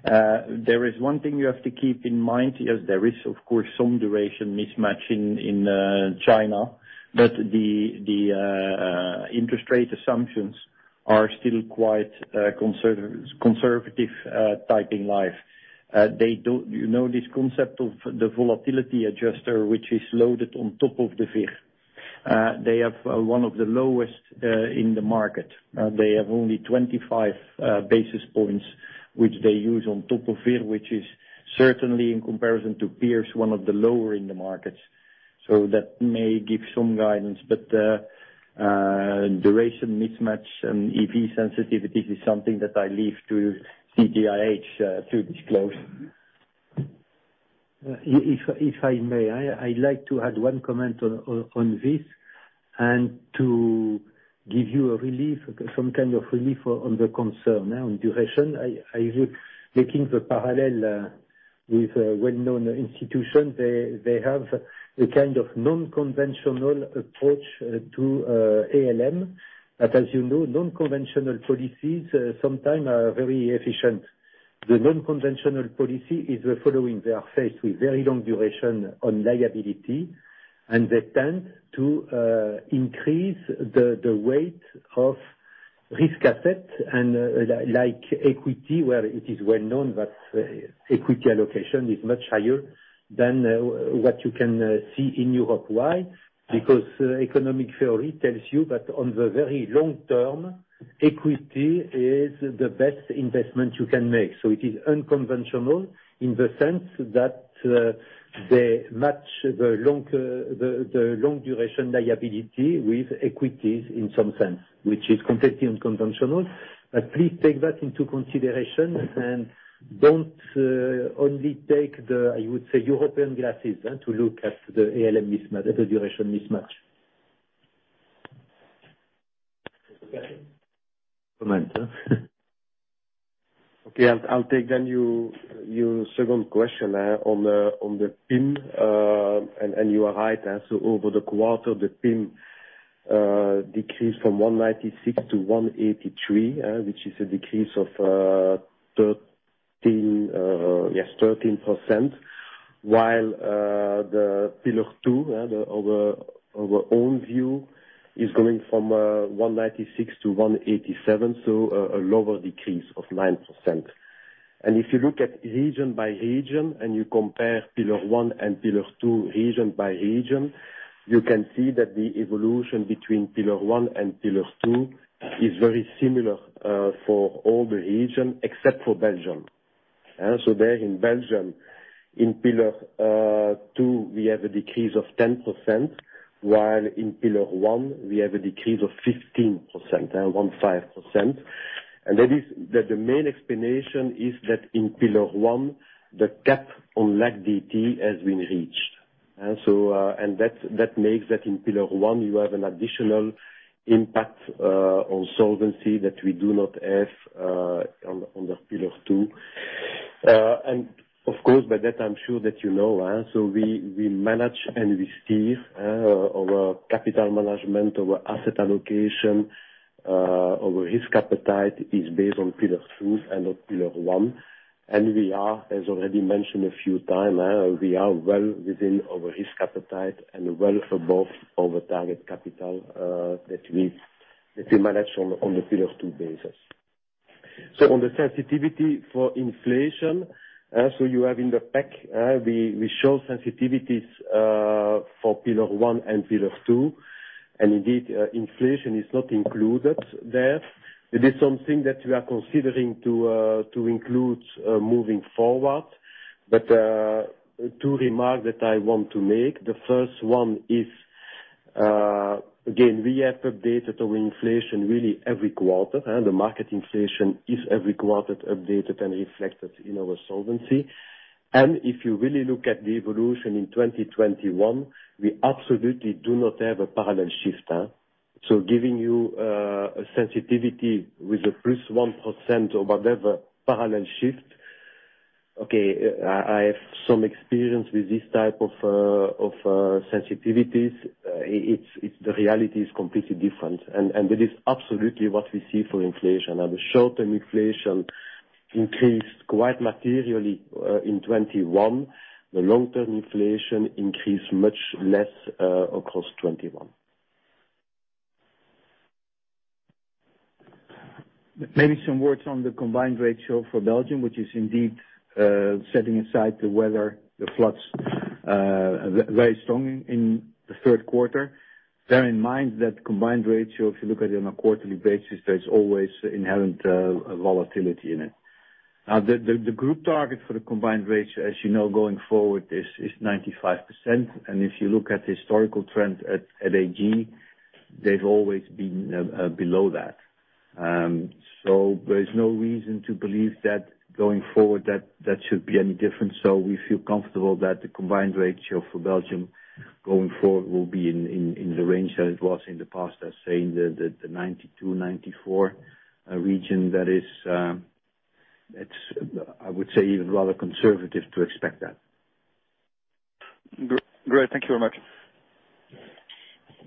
There is one thing you have to keep in mind, yes, there is of course some duration mismatch in China, but the interest rate assumptions are still quite conservative, Taiping Life. You know this concept of the volatility adjuster which is loaded on top of the VIR? They have one of the lowest in the market. They have only 25 basis points which they use on top of VIR, which is certainly in comparison to peers, one of the lower in the markets. That may give some guidance. Duration mismatch and EV sensitivity is something that I leave to CTIH to disclose. If I may, I'd like to add one comment on this, and to give you some kind of relief on the concern on duration. Making the parallel with a well-known institution, they have a kind of non-conventional approach to ALM. But as you know, non-conventional policies sometimes are very efficient. The non-conventional policy is the following. They are faced with very long duration on liability, and they tend to increase the weight of risk assets and like equity, where it is well known that equity allocation is much higher than what you can see in Europe. Why? Because economic theory tells you that on the very long term, equity is the best investment you can make. It is unconventional in the sense that they match the long duration liability with equities in some sense, which is completely unconventional. But please take that into consideration and don't only take, I would say, European glasses to look at the ALM mismatch, at the duration mismatch. I'll take your second question on the PIM. You are right. Over the quarter, the PIM decreased from 196 to 183, which is a decrease of 13%. While the Pillar 2 our own view is going from 196 to 187, so a lower decrease of 9%. If you look at region by region, and you compare Pillar 1 and Pillar 2 region by region, you can see that the evolution between Pillar 1 and Pillar 2 is very similar for all the region except for Belgium. There in Belgium, in Pillar 2 we have a decrease of 10%, while in Pillar 1 we have a decrease of 15%. That is, the main explanation is that in Pillar 1, the cap on LAC-DT has been reached. That makes that in Pillar 1 you have an additional impact on solvency that we do not have on the Pillar 2. Of course by that I'm sure that you know, so we manage and we steer our capital management, our asset allocation, our risk appetite is based on Pillar 2 and not Pillar 1. We are, as already mentioned a few times, well within our risk appetite and well above our target capital that we manage on the Pillar 2 basis. On the sensitivity for inflation, you have in the pack, we show sensitivities for Pillar 1 and Pillar 2. Indeed, inflation is not included there. It is something that we are considering to include moving forward. Two remarks that I want to make. The first one is, again, we have updated our inflation really every quarter, and the market inflation is every quarter updated and reflected in our solvency. If you really look at the evolution in 2021, we absolutely do not have a parallel shift. Giving you a sensitivity with a +1% or whatever parallel shift, I have some experience with this type of sensitivities. It is the reality is completely different. It is absolutely what we see for inflation. Now the short-term inflation increased quite materially in 2021. The long-term inflation increased much less across 2021. Maybe some words on the combined ratio for Belgium, which is indeed, setting aside the weather, the floods, very strong in the third quarter. Bear in mind that combined ratio, if you look at it on a quarterly basis, there's always inherent volatility in it. Now the group target for the combined ratio, as you know, going forward is 95%. If you look at historical trends at AG, they've always been below that. There's no reason to believe that going forward that should be any different. We feel comfortable that the combined ratio for Belgium going forward will be in the range that it was in the past, as saying the 92-94 region that is. It's, I would say, even rather conservative to expect that. Great. Thank you very much.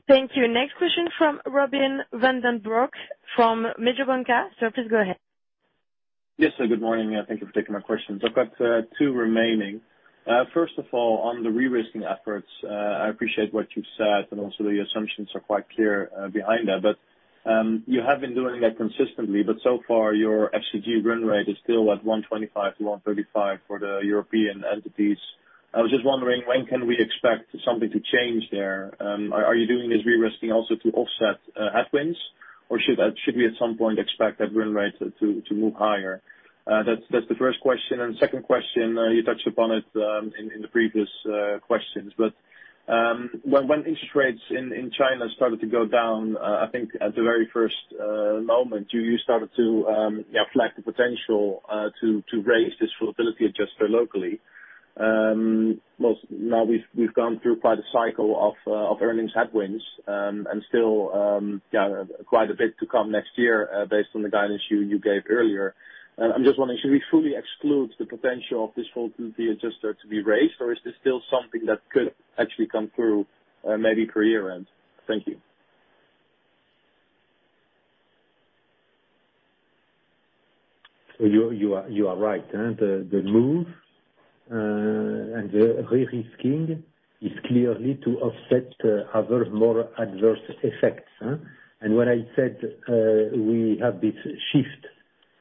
Thank you. Next question from Robin van den Broek from Mediobanca. Please go ahead. Yes, good morning, and thank you for taking my questions. I've got two remaining. First of all, on the de-risking efforts, I appreciate what you've said, and also the assumptions are quite clear behind that. You have been doing that consistently, but so far your FCG run rate is still at 125-135 for the European entities. I was just wondering, when can we expect something to change there? Are you doing this de-risking also to offset headwinds? Or should we at some point expect that run rate to move higher? That's the first question. Second question, you touched upon it in the previous questions. When interest rates in China started to go down, I think at the very first moment, you started to yeah, flag the potential to raise this volatility adjuster locally. Now we've gone through quite a cycle of earnings headwinds, and still, yeah, quite a bit to come next year, based on the guidance you gave earlier. I'm just wondering, should we fully exclude the potential of this volatility adjuster to be raised, or is this still something that could actually come through, maybe year end? Thank you. You are right. The move and the de-risking is clearly to offset other more adverse effects. When I said we have this shift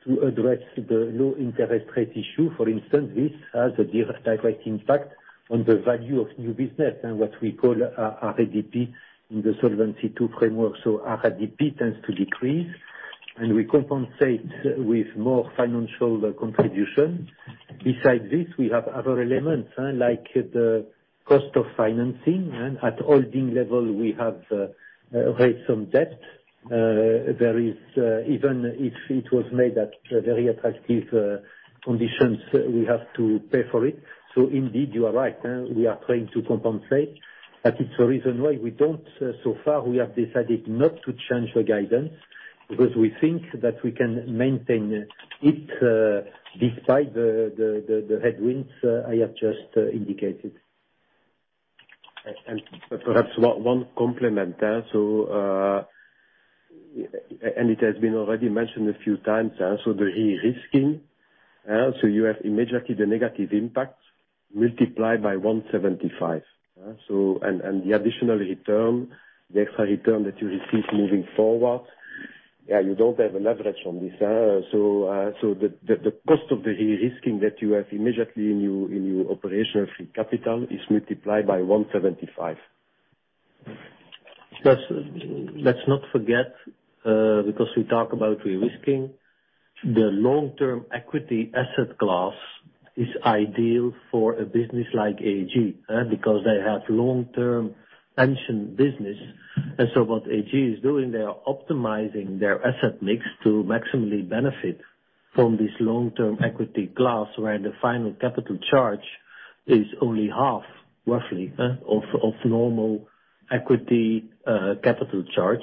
to address the low interest rate issue, for instance, this has a direct impact on the value of new business and what we call RADP in the Solvency II framework. RADP tends to decrease, and we compensate with more financial contribution. Besides this, we have other elements like the cost of financing. At holding level, we have raised some debt. There is, even if it was made at very attractive conditions, we have to pay for it. Indeed, you are right. We are trying to compensate. It's a reason why we don't, so far, we have decided not to change the guidance because we think that we can maintain it, despite the headwinds I have just indicated. Perhaps one compliment. It has been already mentioned a few times. The de-risking, so you have immediately the negative impact multiplied by 175. The additional return, the extra return that you receive moving forward, yeah, you don't have a leverage on this. The cost of the de-risking that you have immediately in your operational free capital is multiplied by 175. Let's not forget, because we talk about de-risking, the long-term equity asset class is ideal for a business like AG, because they have long-term pension business. What AG is doing, they are optimizing their asset mix to maximally benefit from this long-term equity class, where the final capital charge is only half, roughly, of normal equity capital charge.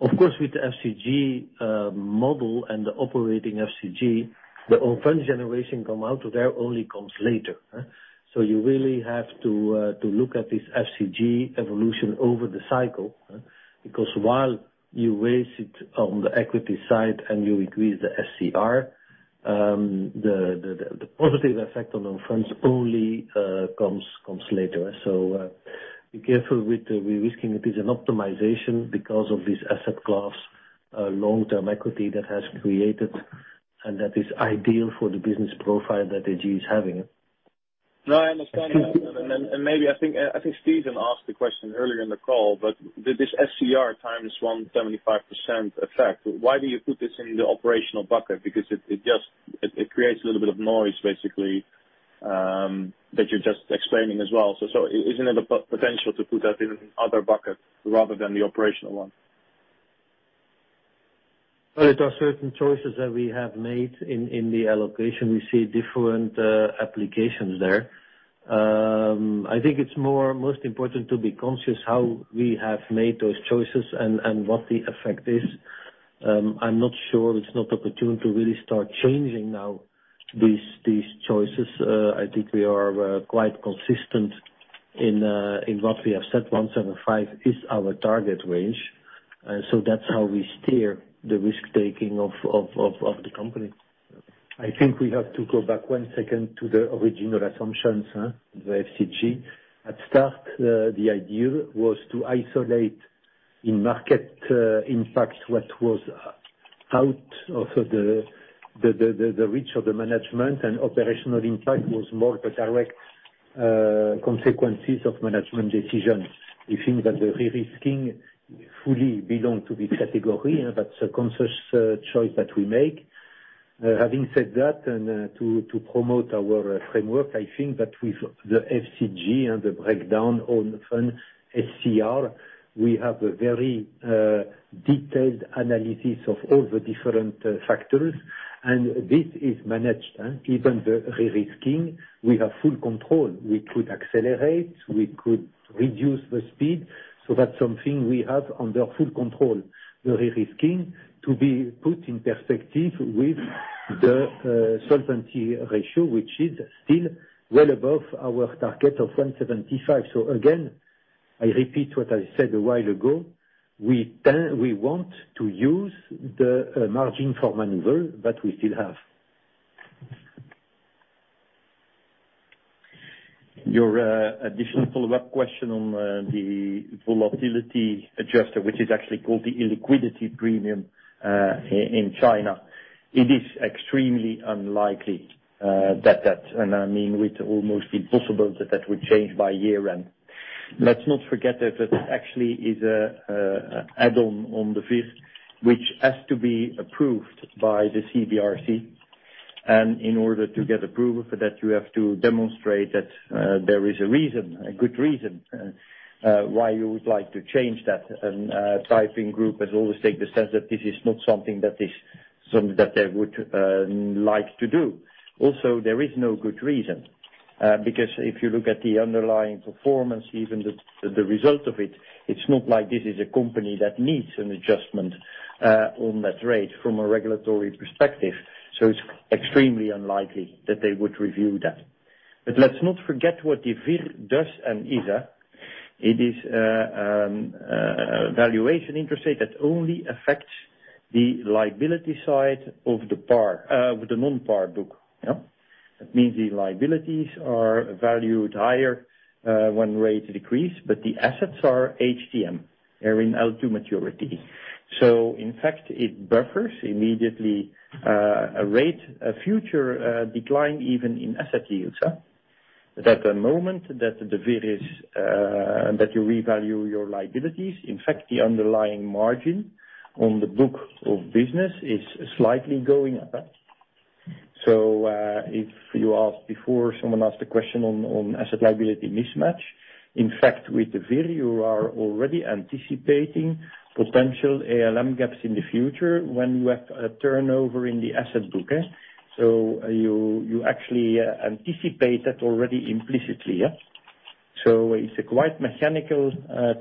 Of course, with the FCG model and the operating FCG, the own funds generation only comes later. You really have to look at this FCG evolution over the cycle, because while you raise it on the equity side and you increase the SCR, the positive effect on our funds only comes later. Be careful with de-risking. It is an optimization because of this asset class, long-term equity that has created and that is ideal for the business profile that AG is having. No, I understand that. Maybe I think Steven asked the question earlier in the call, but this SCR times 175% effect, why do you put this in the operational bucket? Because it just creates a little bit of noise, basically, that you're just explaining as well. Isn't it a potential to put that in other bucket rather than the operational one? There are certain choices that we have made in the allocation. We see different applications there. I think it's most important to be conscious how we have made those choices and what the effect is. I'm not sure it's an opportunity to really start changing now these choices. I think we are quite consistent in what we have said. 175 is our target range, so that's how we steer the risk-taking of the company. I think we have to go back one second to the original assumptions, the FCG. At start, the idea was to isolate in market impact what was out of the reach of the management, and operational impact was more the direct consequences of management decisions. We think that the de-risking fully belong to this category. That's a conscious choice that we make. Having said that, to promote our framework, I think that with the FCG and the breakdown on fund SCR, we have a very detailed analysis of all the different factors. This is managed, even the risking, we have full control. We could accelerate, we could reduce the speed, so that's something we have under full control. The risking to be put in perspective with the solvency ratio, which is still well above our target of 175%. Again, I repeat what I said a while ago, we want to use the margin for maneuver that we still have. Your additional follow-up question on the volatility adjuster, which is actually called the illiquidity premium in China. It is extremely unlikely that that's. I mean, it's almost impossible that that would change by year-end. Let's not forget that actually is an add-on on the fifth, which has to be approved by the CBIRC. In order to get approval for that, you have to demonstrate that there is a reason, a good reason, why you would like to change that. Taiping Group has always taken the stance that this is not something that they would like to do. Also, there is no good reason, because if you look at the underlying performance, even the result of it's not like this is a company that needs an adjustment on that rate from a regulatory perspective. It's extremely unlikely that they would review that. Let's not forget what the VIR does and is. It is the valuation interest rate that only affects the liability side of the par of the non-par book. Yeah. That means the liabilities are valued higher when rates decrease, but the assets are HTM. They're in L2 maturity. In fact, it buffers immediately a future rate decline even in asset yields. At the moment that you revalue your liabilities, in fact, the underlying margin on the book of business is slightly going up. If you asked before, someone asked a question on asset liability mismatch. In fact, with the VIR, you are already anticipating potential ALM gaps in the future when you have a turnover in the asset book. You actually anticipate that already implicitly. It's a quite mechanical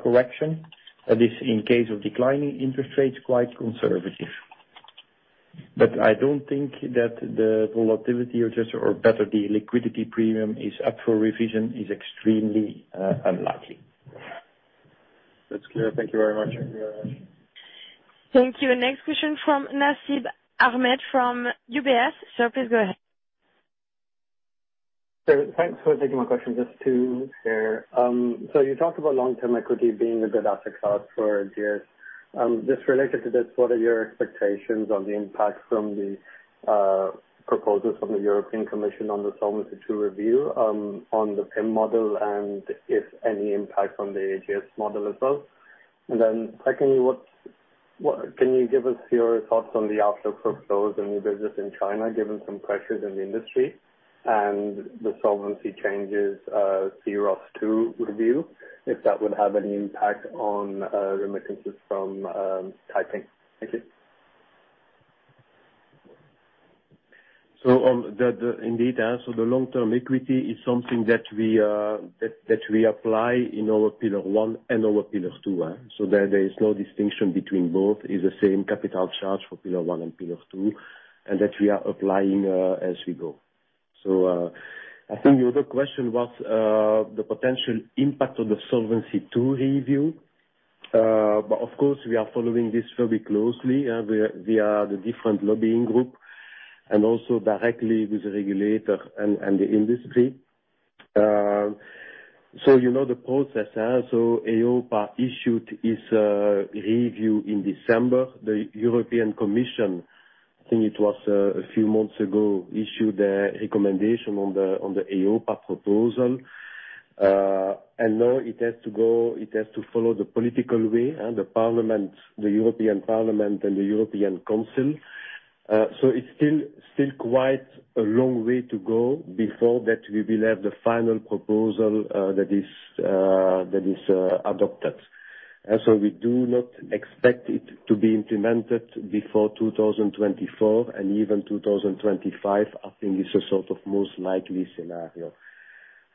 correction that is, in case of declining interest rates, quite conservative. I don't think that the volatility adjuster or better the liquidity premium is up for revision. It's extremely unlikely. That's clear. Thank you very much. Thank you. Next question from Nasib Ahmed from UBS. Sir, please go ahead. Thanks for taking my question. Just two here. You talked about long-term equity being a good asset class for years. Just related to this, what are your expectations on the impact from the proposals from the European Commission on the Solvency II review, on the PIM model, and if any impact on the AG's model as well? Then secondly, what can you give us your thoughts on the outlook for flows and your business in China, given some pressures in the industry and the solvency changes, C-ROSS II review, if that would have any impact on remittances from Taiping? Thank you. The long-term equity is something that we apply in our Pillar 1 and our Pillar 2, so there is no distinction between both. It's the same capital charge for Pillar 1 and Pillar 2, and that we are applying as we go. I think your other question was the potential impact of the Solvency II review. Of course, we are following this very closely via the different lobbying group and also directly with the regulator and the industry. You know the process, so EIOPA issued its review in December. The European Commission, I think it was a few months ago, issued a recommendation on the EIOPA proposal. Now it has to go, it has to follow the political way, and the parliament, the European Parliament and the European Council. It's still quite a long way to go before we will have the final proposal that is adopted. We do not expect it to be implemented before 2024 and even 2025, I think is a sort of most likely scenario.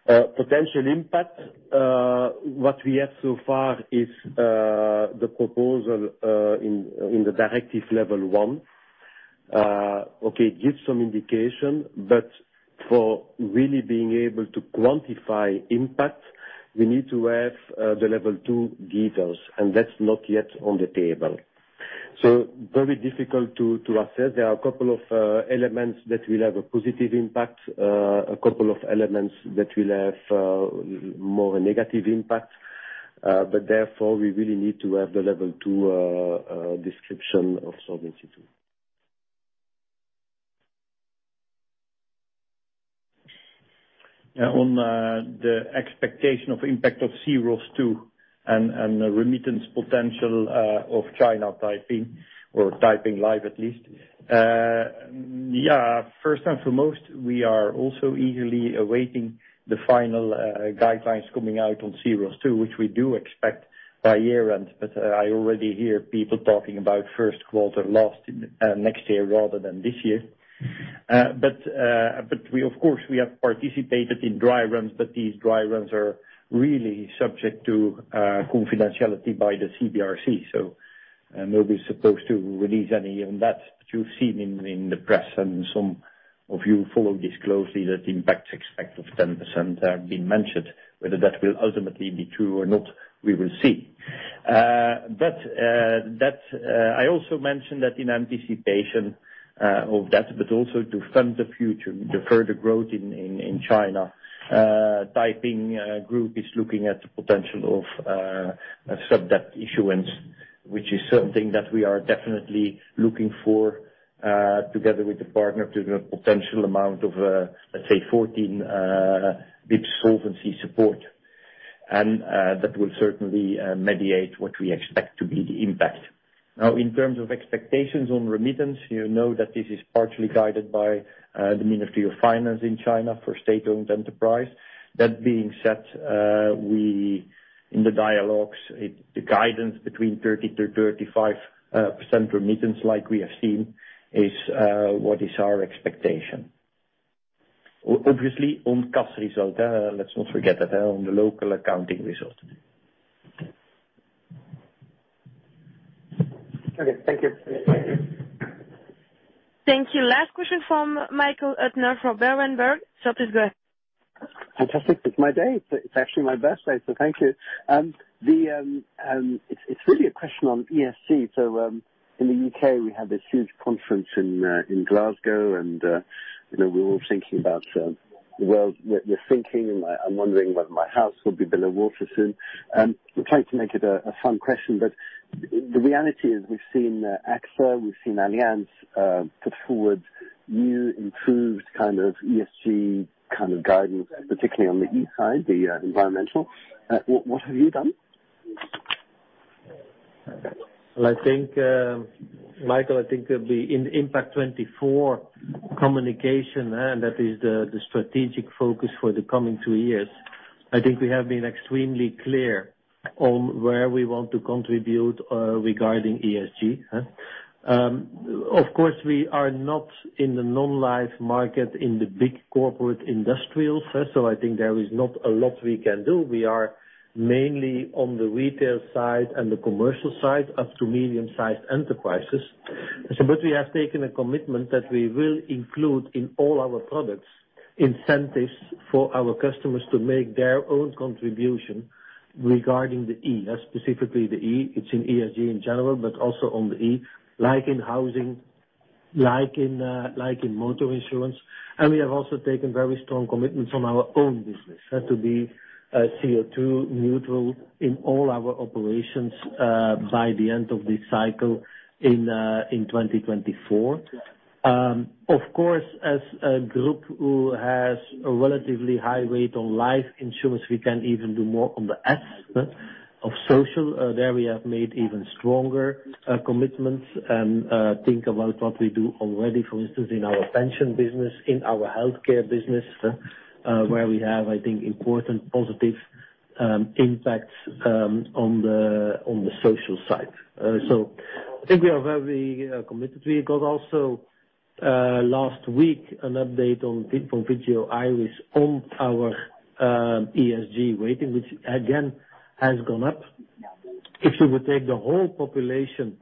Potential impact, what we have so far is the proposal in the directive level one. Okay, gives some indication, but for really being able to quantify impact, we need to have the level two details, and that's not yet on the table. Very difficult to assess. There are a couple of elements that will have a positive impact, a couple of elements that will have more a negative impact, but therefore, we really need to have the level two description of Solvency II. On the expectation of impact of C-ROSS II and the remittance potential of China Taiping or Taiping Life at least. First and foremost, we are also eagerly awaiting the final guidelines coming out on C-ROSS II which we do expect by year-end. I already hear people talking about first quarter next year rather than this year. We of course have participated in dry runs, but these dry runs are really subject to confidentiality by the CBIRC. Nobody's supposed to release any on that. You've seen in the press and some of you follow this closely, that expected impact of 10% have been mentioned. Whether that will ultimately be true or not, we will see. I also mentioned that in anticipation of that, but also to fund the future, the further growth in China, Taiping Group is looking at the potential of a sub-debt issuance, which is something that we are definitely looking for together with the partner to the potential amount of, let's say 14 billion solvency support. That will certainly mediate what we expect to be the impact. Now, in terms of expectations on remittance, you know that this is partially guided by the Ministry of Finance in China for state-owned enterprise. That being said, in the dialogues, it's the guidance between 30%-35% remittance like we have seen is what is our expectation. Obviously on CAS result, let's not forget that, on the local accounting result. Okay, thank you. Thank you. Last question from Michael Huttner for Berenberg, Switzerland. Fantastic. It's my day. It's actually my birthday, so thank you. It's really a question on ESG. In the U.K. we have this huge conference in Glasgow and, you know, we're all thinking about, we're thinking and I'm wondering whether my house will be below water soon. I'm trying to make it a fun question, but the reality is we've seen AXA, we've seen Allianz put forward new improved kind of ESG kind of guidance, particularly on the E side, the environmental. What have you done? Well, I think, Michael, I think that the Impact24 communication, and that is the strategic focus for the coming two years. I think we have been extremely clear on where we want to contribute regarding ESG. Of course, we are not in the non-life market in the big corporate industrials. I think there is not a lot we can do. We are mainly on the retail side and the commercial side up to medium-sized enterprises. We have taken a commitment that we will include in all our products, incentives for our customers to make their own contribution regarding the E. Specifically the E, it's in ESG in general, but also on the E. Like in housing, like in, like in motor insurance. We have also taken very strong commitments on our own business. We have to be CO2 neutral in all our operations by the end of this cycle in 2024. Of course, as a group who has a relatively high rate on life insurance, we can even do more on the S of social. There we have made even stronger commitments, and think about what we do already, for instance, in our pension business, in our healthcare business, where we have, I think, important positive impacts on the social side. I think we are very committed. We also got last week an update from Vigeo Eiris on our ESG rating, which again has gone up. If you would take the whole population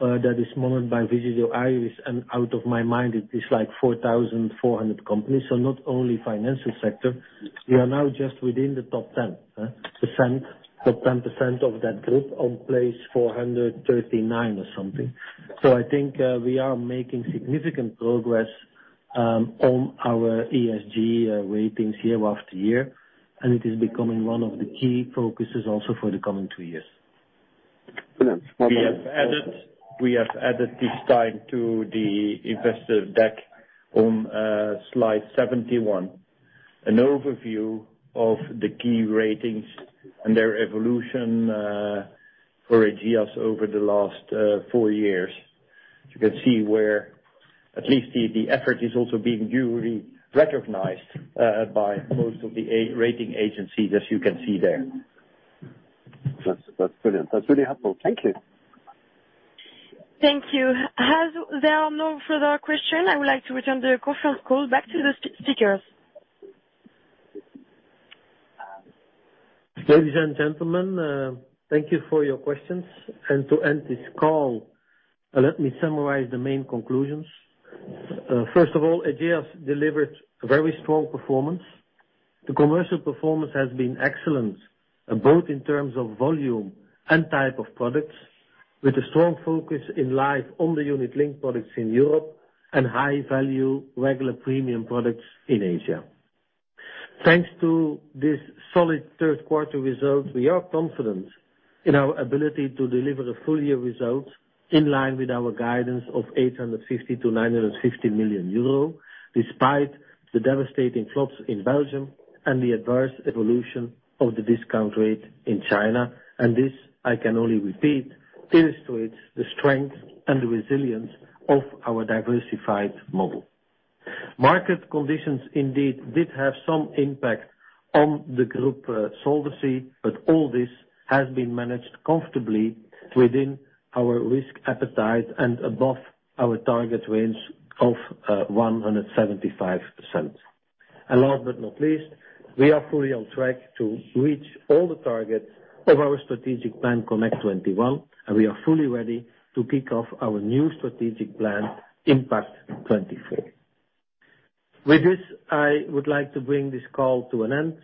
that is monitored by Vigeo Eiris, and out of my mind, it is like 4,400 companies, so not only financial sector. We are now just within the top 10%, top 10% of that group on place 439 or something. I think we are making significant progress on our ESG ratings year after year, and it is becoming one of the key focuses also for the coming two years. Brilliant. One moment. We have added this time to the investor deck on slide 71, an overview of the key ratings and their evolution for Ageas over the last four years. You can see where at least the effort is also being duly recognized by most of the A rating agencies, as you can see there. That's brilliant. That's really helpful. Thank you. Thank you. As there are no further question, I would like to return the conference call back to the speakers. Ladies and gentlemen, thank you for your questions. To end this call, let me summarize the main conclusions. First of all, Ageas delivered a very strong performance. The commercial performance has been excellent, both in terms of volume and type of products, with a strong focus in life on the unit-linked products in Europe and high-value regular premium products in Asia. Thanks to this solid third quarter results, we are confident in our ability to deliver a full-year result in line with our guidance of 850 million-950 million euro, despite the devastating floods in Belgium and the adverse evolution of the discount rate in China. This, I can only repeat, illustrates the strength and the resilience of our diversified model. Market conditions indeed did have some impact on the group solvency, but all this has been managed comfortably within our risk appetite and above our target range of 175%. Last but not least, we are fully on track to reach all the targets of our strategic plan, Connect 21, and we are fully ready to kick off our new strategic plan, Impact24. With this, I would like to bring this call to an end.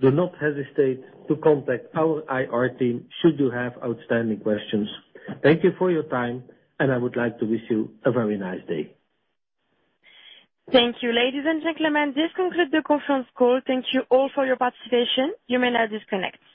Do not hesitate to contact our IR team should you have outstanding questions. Thank you for your time, and I would like to wish you a very nice day. Thank you. Ladies and gentlemen, this concludes the conference call. Thank you all for your participation. You may now disconnect.